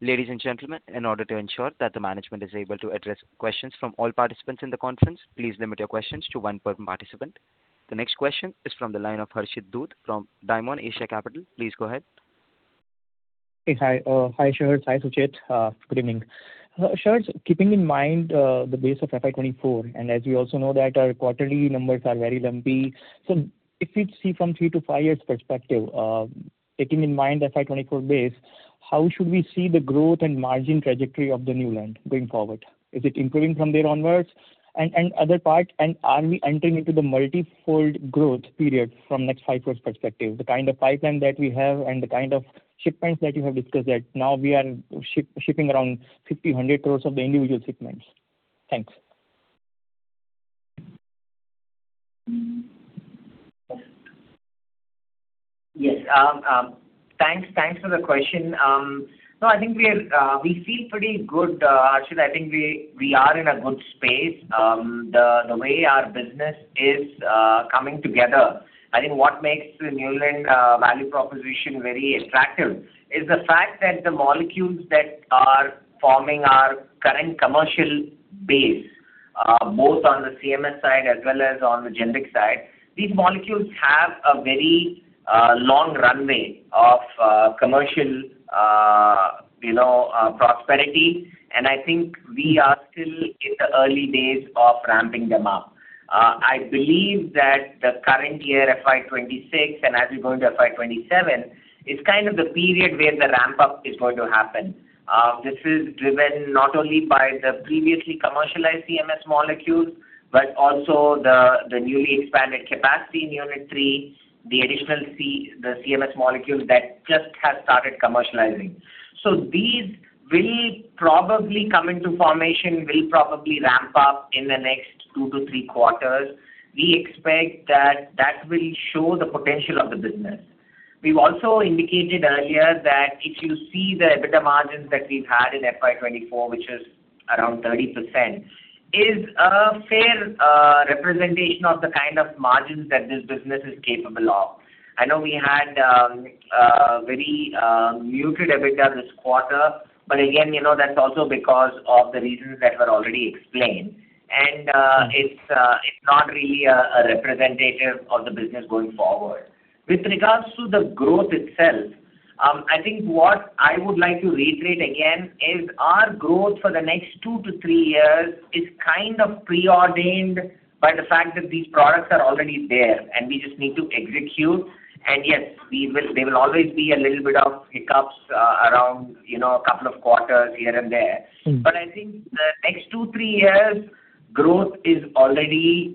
Speaker 1: Ladies and gentlemen, in order to ensure that the management is able to address questions from all participants in the conference, please limit your questions to one per participant. The next question is from the line of Harshit Dhoot from Dymon Asia Capital. Please go ahead.
Speaker 13: Hi, Saharsh. Hi, Sujeev. Good evening. Saharsh, keeping in mind the base of FY24 and as we also know that our quarterly numbers are very lumpy, so if we see from three to five years' perspective, taking in mind FY24 base, how should we see the growth and margin trajectory of the Neuland going forward? Is it improving from there onwards? And other part, are we entering into the multifold growth period from next five years' perspective, the kind of pipeline that we have and the kind of shipments that you have discussed that now we are shipping around 50-100 crores of the individual shipments? Thanks.
Speaker 4: Yes. Thanks for the question. No, I think we feel pretty good, Harshit. I think we are in a good space. The way our business is coming together, I think what makes the Neuland value proposition very attractive is the fact that the molecules that are forming our current commercial base, both on the CMS side as well as on the generic side, these molecules have a very long runway of commercial prosperity. And I think we are still in the early days of ramping them up. I believe that the current year, FY26, and as we go into FY27, is kind of the period where the ramp-up is going to happen. This is driven not only by the previously commercialized CMS molecules but also the newly expanded capacity in Unit 3, the additional CMS molecule that just has started commercializing. So these will probably come into formation, will probably ramp up in the next two to three quarters. We expect that that will show the potential of the business. We've also indicated earlier that if you see the EBITDA margins that we've had in FY24, which is around 30%, is a fair representation of the kind of margins that this business is capable of. I know we had a very muted EBITDA this quarter. But again, that's also because of the reasons that were already explained. And it's not really a representative of the business going forward. With regards to the growth itself, I think what I would like to reiterate again is our growth for the next two to three years is kind of preordained by the fact that these products are already there, and we just need to execute. And yes, there will always be a little bit of hiccups around a couple of quarters here and there. But I think the next two three years, growth is already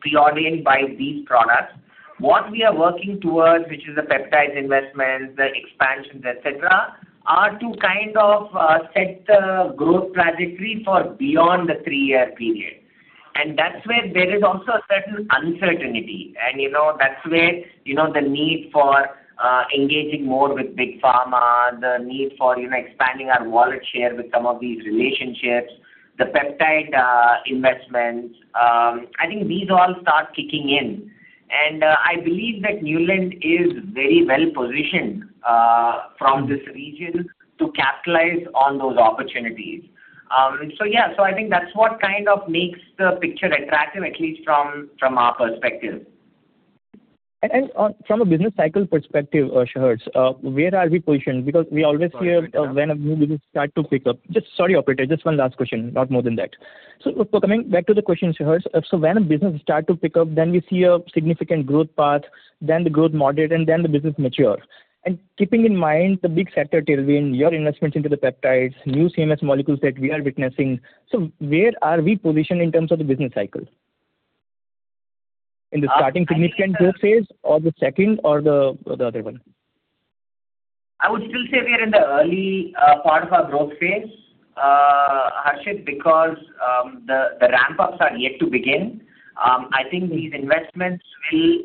Speaker 4: preordained by these products. What we are working towards, which is the peptides investments, the expansions, etc., are to kind of set the growth trajectory for beyond the three-year period. And that's where there is also a certain uncertainty. And that's where the need for engaging more with big pharma, the need for expanding our wallet share with some of these relationships, the peptide investments, I think these all start kicking in. And I believe that Neuland is very well positioned from this region to capitalize on those opportunities. So yeah, so I think that's what kind of makes the picture attractive, at least from our perspective.
Speaker 13: From a business cycle perspective, Saharsh, where are we positioned? Because we always hear when a new business starts to pick up. Just sorry, operator, just one last question, not more than that. So coming back to the question, Saharsh, so when a business starts to pick up, then we see a significant growth path, then the growth moderate, and then the business mature. And keeping in mind the big sector tailwind, your investments into the peptides, new CMS molecules that we are witnessing, so where are we positioned in terms of the business cycle? In the starting significant growth phase or the second or the other one?
Speaker 4: I would still say we are in the early part of our growth phase, Harshit, because the ramp-ups are yet to begin. I think these investments will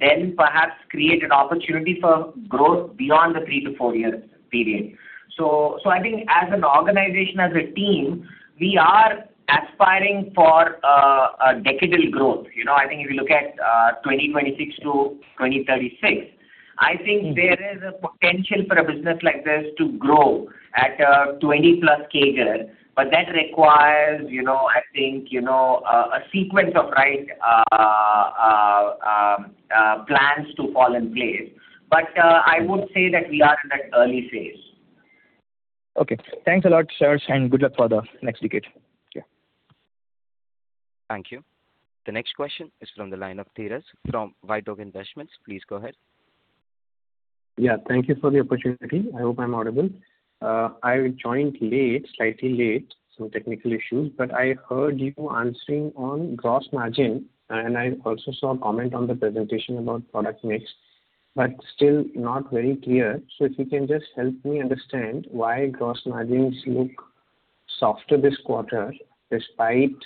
Speaker 4: then perhaps create an opportunity for growth beyond the three-four-year period. So I think as an organization, as a team, we are aspiring for decadal growth. I think if you look at 2026 to 2036, I think there is a potential for a business like this to grow at 20+% CAGR. But that requires, I think, a sequence of right plans to fall in place. But I would say that we are in that early phase.
Speaker 13: Okay. Thanks a lot, Saharsh, and good luck for the next decade. Yeah.
Speaker 1: Thank you. The next question is from the line of Dheeresh from WhiteOak Investments. Please go ahead.
Speaker 14: Yeah. Thank you for the opportunity. I hope I'm audible. I joined late, slightly late, some technical issues. But I heard you answering on gross margin. And I also saw a comment on the presentation about product mix, but still not very clear. So if you can just help me understand why gross margins look softer this quarter despite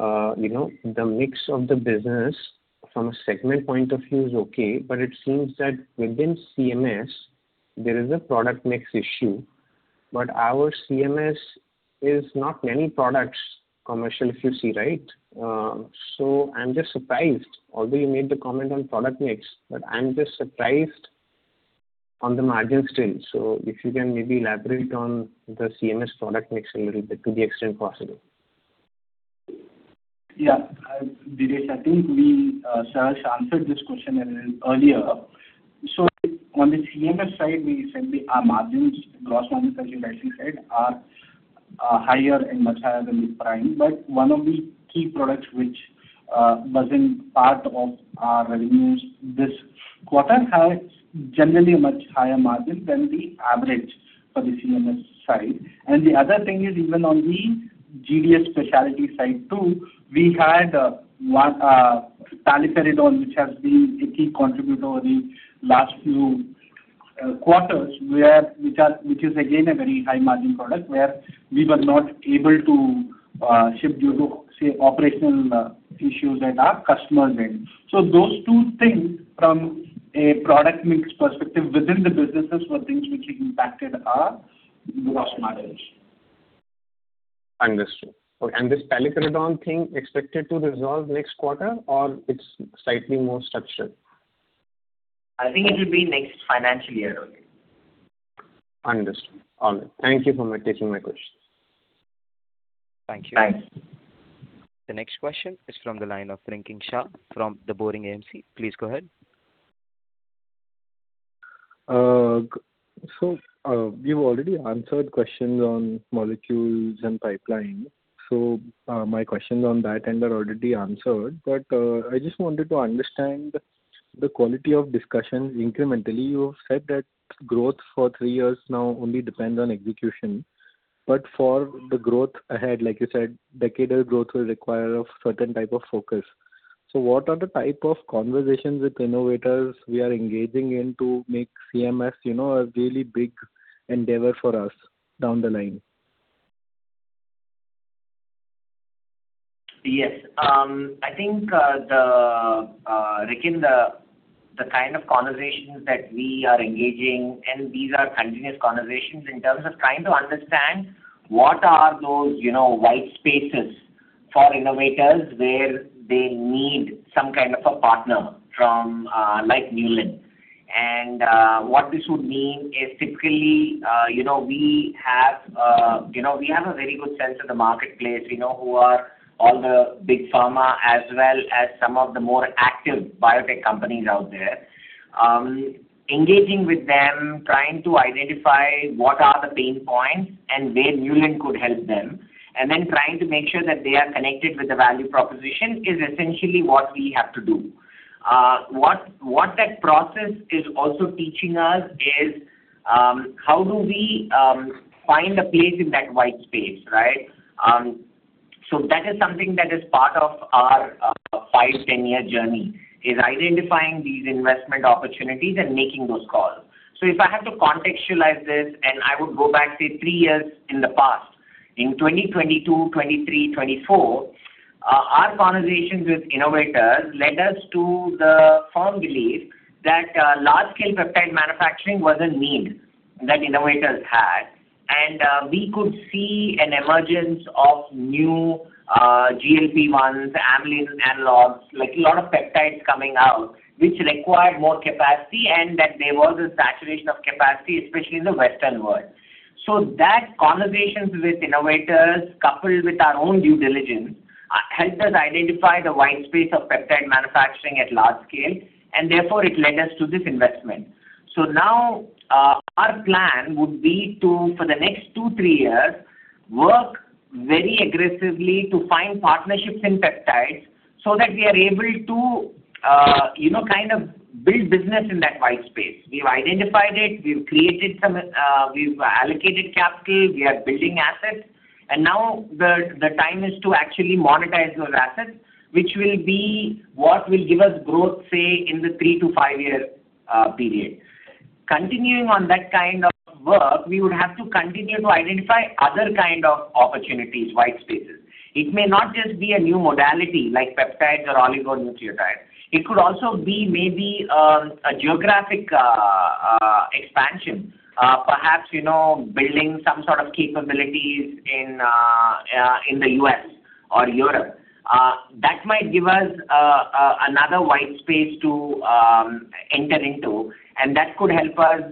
Speaker 14: the mix of the business from a segment point of view is okay. But it seems that within CMS, there is a product mix issue. But our CMS is not many products commercial, if you see, right? So I'm just surprised, although you made the comment on product mix, but I'm just surprised on the margin still. So if you can maybe elaborate on the CMS product mix a little bit to the extent possible.
Speaker 10: Yeah. Dheeresh, I think we, Saharsh, answered this question earlier. So on the CMS side, we said our margins, gross margins, as you rightly said, are higher and much higher than the prime. But one of the key products which wasn't part of our revenues this quarter has generally a much higher margin than the average for the CMS side. And the other thing is even on the GDS specialty side too, we had paliperidone, which has been a key contributor over the last few quarters, which is again a very high-margin product where we were not able to ship due to, say, operational issues at our customer's end. So those two things from a product mix perspective within the businesses were things which impacted our gross margins.
Speaker 14: Understood. And this paliperidone thing expected to resolve next quarter, or it's slightly more structured?
Speaker 4: I think it will be next financial year only.
Speaker 14: Understood. All right. Thank you for taking my questions.
Speaker 1: Thank you.
Speaker 4: Thanks.
Speaker 1: The next question is from the line of Rikin Shah from The Boring AMC. Please go ahead.
Speaker 15: You've already answered questions on molecules and pipeline. My questions on that end are already answered. But I just wanted to understand the quality of discussion incrementally. You have said that growth for three years now only depends on execution. For the growth ahead, like you said, decadal growth will require a certain type of focus. So what are the type of conversations with innovators we are engaging in to make CMS a really big endeavor for us down the line?
Speaker 4: Yes. I think, Rikin, the kind of conversations that we are engaging in these are continuous conversations in terms of trying to understand what are those white spaces for innovators where they need some kind of a partner like Neuland. What this would mean is typically, we have a very good sense of the marketplace, who are all the big pharma as well as some of the more active biotech companies out there. Engaging with them, trying to identify what are the pain points and where Neuland could help them, and then trying to make sure that they are connected with the value proposition is essentially what we have to do. What that process is also teaching us is how do we find a place in that white space, right? So that is something that is part of our five-10-year journey is identifying these investment opportunities and making those calls. So if I had to contextualize this, and I would go back, say, three years in the past, in 2022, 2023, 2024, our conversations with innovators led us to the firm belief that large-scale peptide manufacturing was a need that innovators had. And we could see an emergence of new GLP-1s, amylin, analogs, a lot of peptides coming out which required more capacity and that there was a saturation of capacity, especially in the Western world. So that conversations with innovators, coupled with our own due diligence, helped us identify the white space of peptide manufacturing at large scale. And therefore, it led us to this investment. So now our plan would be to, for the next two three years, work very aggressively to find partnerships in peptides so that we are able to kind of build business in that white space. We've identified it. We've created some we've allocated capital. We are building assets. And now the time is to actually monetize those assets, which will be what will give us growth, say, in the three to five-year period. Continuing on that kind of work, we would have to continue to identify other kind of opportunities, white spaces. It may not just be a new modality like peptides or oligonucleotides. It could also be maybe a geographic expansion, perhaps building some sort of capabilities in the U.S. or Europe. That might give us another white space to enter into. And that could help us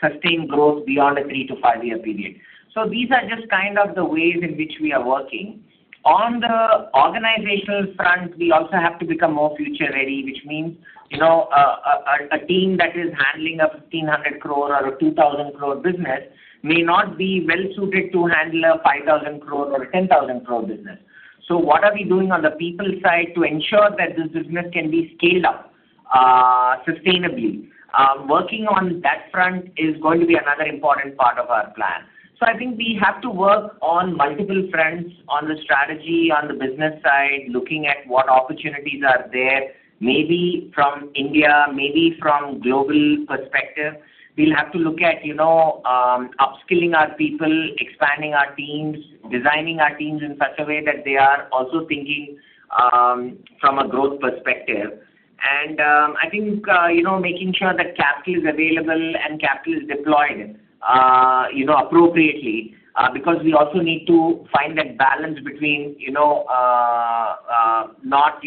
Speaker 4: sustain growth beyond a three to five-year period. So these are just kind of the ways in which we are working. On the organizational front, we also have to become more future-ready, which means a team that is handling an 1,500 crore or an 2,000 crore business may not be well-suited to handle an 5,000 crore or an 10,000 crore business. So what are we doing on the people side to ensure that this business can be scaled up sustainably? Working on that front is going to be another important part of our plan. So I think we have to work on multiple fronts, on the strategy, on the business side, looking at what opportunities are there, maybe from India, maybe from a global perspective. We'll have to look at upskilling our people, expanding our teams, designing our teams in such a way that they are also thinking from a growth perspective. I think making sure that capital is available and capital is deployed appropriately because we also need to find that balance between not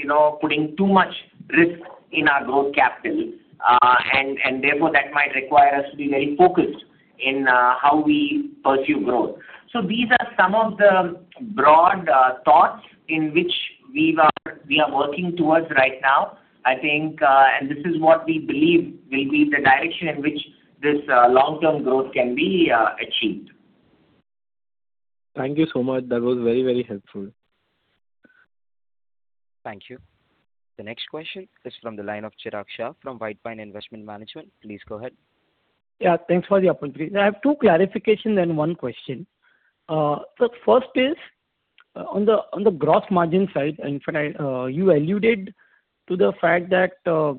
Speaker 4: putting too much risk in our growth capital. Therefore, that might require us to be very focused in how we pursue growth. These are some of the broad thoughts in which we are working towards right now, I think. This is what we believe will be the direction in which this long-term growth can be achieved.
Speaker 15: Thank you so much. That was very, very helpful.
Speaker 1: Thank you. The next question is from the line of Chirag Shah from White Pine Investment Management. Please go ahead.
Speaker 16: Yeah. Thanks for the opportunity. I have two clarifications and one question. The first is on the gross margin side. In fact, you alluded to the fact that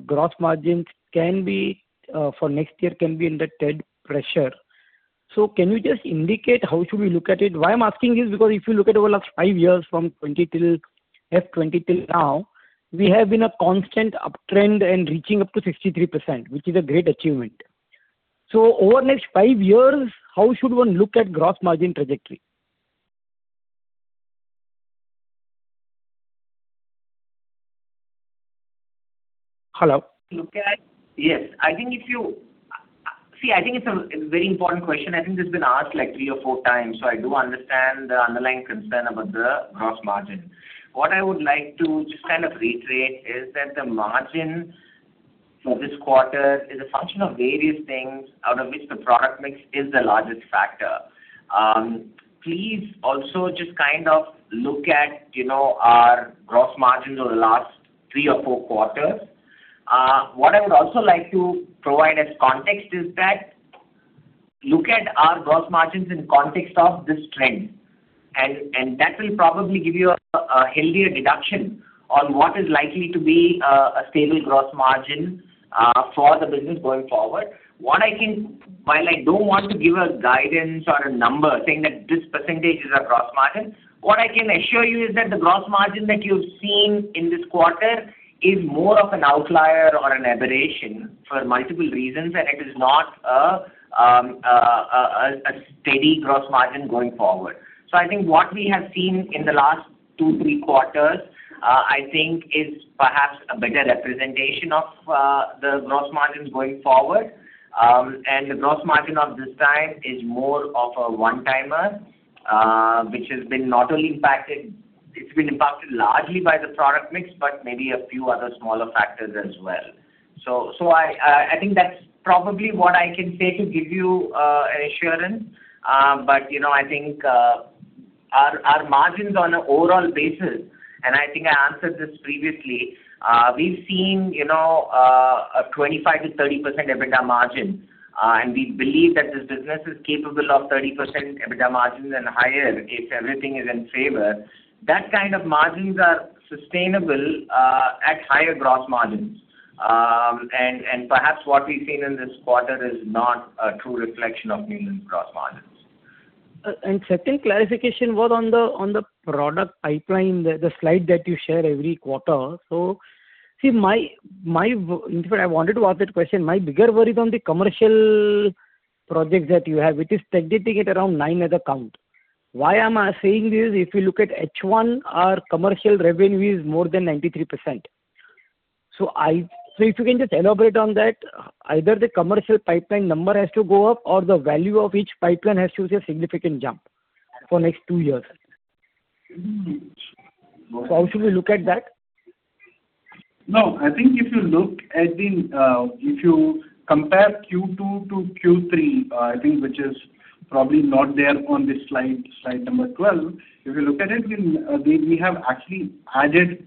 Speaker 16: gross margins for next year can be under head pressure. So can you just indicate how should we look at it? Why I'm asking is because if you look at over the last five years from FY20 till now, we have been a constant uptrend and reaching up to 63%, which is a great achievement. So over the next five years, how should one look at gross margin trajectory? Hello?
Speaker 4: Look at? Yes. I think if you see, I think it's a very important question. I think this has been asked three or four times. So I do understand the underlying concern about the gross margin. What I would like to just kind of reiterate is that the margin for this quarter is a function of various things out of which the product mix is the largest factor. Please also just kind of look at our gross margins over the last three or four quarters. What I would also like to provide as context is that, look at our gross margins in context of this trend. That will probably give you a healthier deduction on what is likely to be a stable gross margin for the business going forward. While I don't want to give a guidance or a number saying that this percentage is our gross margin, what I can assure you is that the gross margin that you've seen in this quarter is more of an outlier or an aberration for multiple reasons. And it is not a steady gross margin going forward. So I think what we have seen in the last two, three quarters, I think, is perhaps a better representation of the gross margins going forward. And the gross margin of this time is more of a one-timer, which has been not only impacted it's been impacted largely by the product mix but maybe a few other smaller factors as well. So I think that's probably what I can say to give you an assurance. But I think our margins on an overall basis and I think I answered this previously. We've seen a 25%-30% EBITDA margin. We believe that this business is capable of 30% EBITDA margins and higher if everything is in favor. That kind of margins are sustainable at higher gross margins. Perhaps what we've seen in this quarter is not a true reflection of Neuland's gross margins.
Speaker 16: Second clarification was on the product pipeline, the slide that you share every quarter. So see, in fact, I wanted to ask that question. My bigger worry is on the commercial projects that you have, which is targeting it around nine at the count. Why am I saying this? If you look at H1, our commercial revenue is more than 93%. So if you can just elaborate on that, either the commercial pipeline number has to go up or the value of each pipeline has to see a significant jump for next two years. So how should we look at that?
Speaker 10: No. I think if you compare Q2 to Q3, I think, which is probably not there on this slide, slide number 12, if you look at it, we have actually added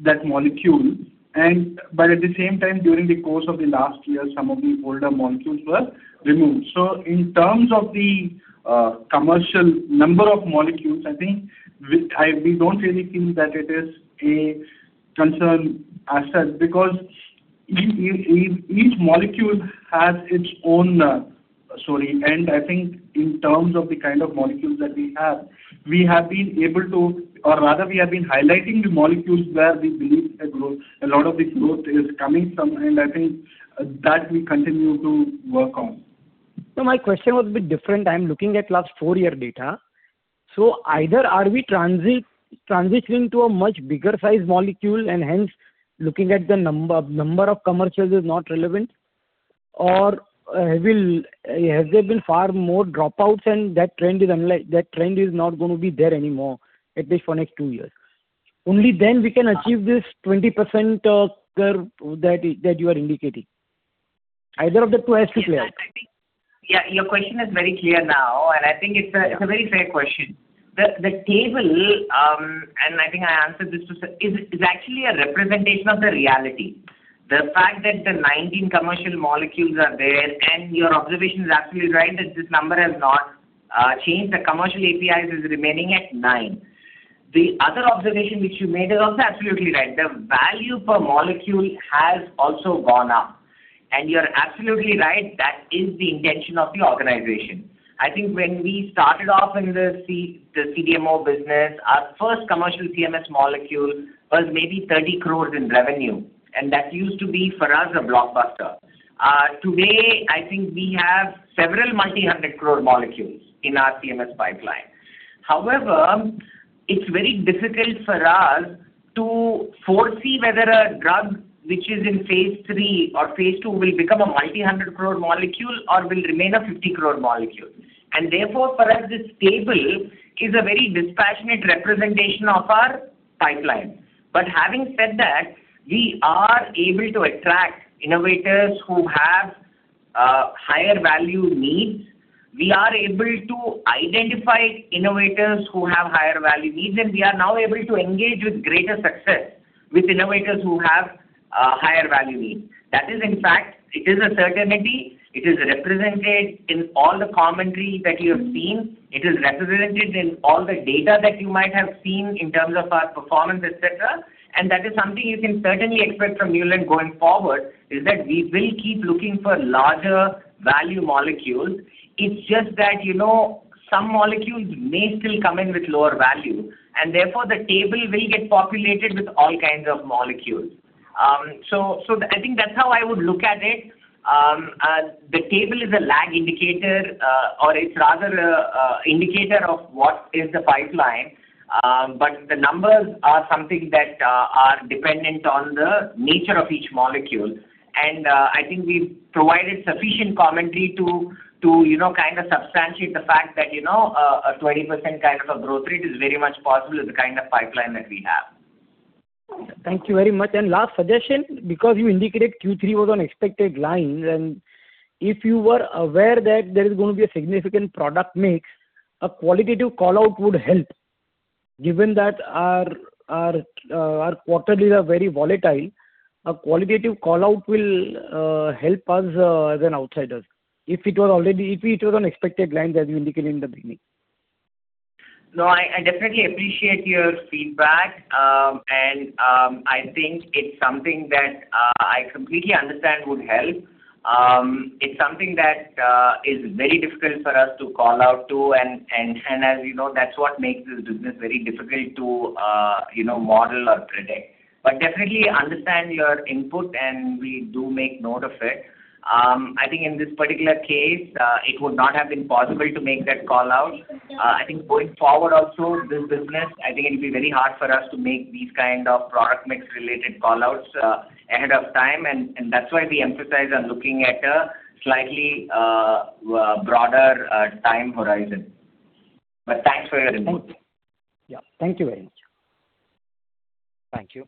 Speaker 10: that molecule. But at the same time, during the course of the last year, some of the older molecules were removed. So in terms of the commercial number of molecules, I think we don't really feel that it is a concern as such because each molecule has its own story. And I think in terms of the kind of molecules that we have, we have been able to or rather, we have been highlighting the molecules where we believe a lot of the growth is coming from. And I think that we continue to work on.
Speaker 16: My question would be different. I'm looking at last four-year data. Either are we transitioning to a much bigger-sized molecule and hence looking at the number of commercials is not relevant, or have there been far more dropouts and that trend is not going to be there anymore, at least for next two years? Only then we can achieve this 20% curve that you are indicating. Either of the two has to play out.
Speaker 4: Yeah. Your question is very clear now. And I think it's a very fair question. The table, and I think I answered this too, is actually a representation of the reality. The fact that the 19 commercial molecules are there and your observation is absolutely right that this number has not changed, the commercial APIs is remaining at nine. The other observation which you made is also absolutely right. The value per molecule has also gone up. And you're absolutely right. That is the intention of the organization. I think when we started off in the CDMO business, our first commercial CMS molecule was maybe 30 crore in revenue. And that used to be, for us, a blockbuster. Today, I think we have several multi-hundred-crore molecules in our CMS pipeline. However, it's very difficult for us to foresee whether a drug which is in phase III or phase II will become a multi-hundred crore molecule or will remain an 50 crore molecule. Therefore, for us, this table is a very dispassionate representation of our pipeline. But having said that, we are able to attract innovators who have higher-value needs. We are able to identify innovators who have higher-value needs. And we are now able to engage with greater success with innovators who have higher-value needs. In fact, it is a certainty. It is represented in all the commentary that you have seen. It is represented in all the data that you might have seen in terms of our performance, etc. And that is something you can certainly expect from Neuland going forward, is that we will keep looking for larger-value molecules. It's just that some molecules may still come in with lower value. Therefore, the table will get populated with all kinds of molecules. I think that's how I would look at it. The table is a lag indicator, or it's rather an indicator of what is the pipeline. The numbers are something that are dependent on the nature of each molecule. I think we've provided sufficient commentary to kind of substantiate the fact that a 20% kind of a growth rate is very much possible with the kind of pipeline that we have.
Speaker 16: Thank you very much. And last suggestion, because you indicated Q3 was on expected lines, and if you were aware that there is going to be a significant product mix, a qualitative callout would help. Given that our quarterlies are very volatile, a qualitative callout will help us as an outsider if it was already on expected lines, as you indicated in the beginning.
Speaker 4: No. I definitely appreciate your feedback. And I think it's something that I completely understand would help. It's something that is very difficult for us to call out to. And as you know, that's what makes this business very difficult to model or predict. But definitely understand your input. And we do make note of it. I think in this particular case, it would not have been possible to make that callout. I think going forward also, this business, I think it'll be very hard for us to make these kind of product mix-related callouts ahead of time. And that's why we emphasize on looking at a slightly broader time horizon. But thanks for your input.
Speaker 16: Yeah. Thank you very much.
Speaker 1: Thank you.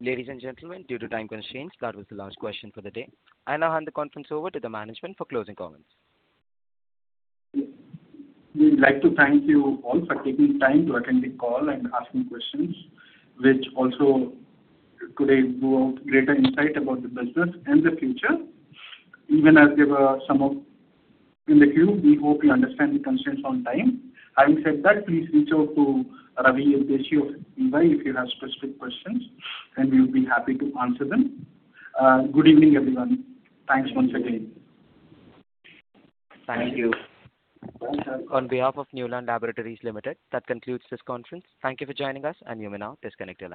Speaker 1: Ladies and gentlemen, due to time constraints, that was the last question for the day. I now hand the conference over to the management for closing comments.
Speaker 10: We'd like to thank you all for taking time to attend the call and asking questions, which also could bring out greater insight about the business and the future. Even as there were some in the queue, we hope you understand the constraints on time. Having said that, please reach out to Ravi Udeshi, EY, if you have specific questions. We'll be happy to answer them. Good evening, everyone. Thanks once again.
Speaker 4: Thank you.
Speaker 1: On behalf of Neuland Laboratories Limited, that concludes this conference. Thank you for joining us. You may now disconnect the call.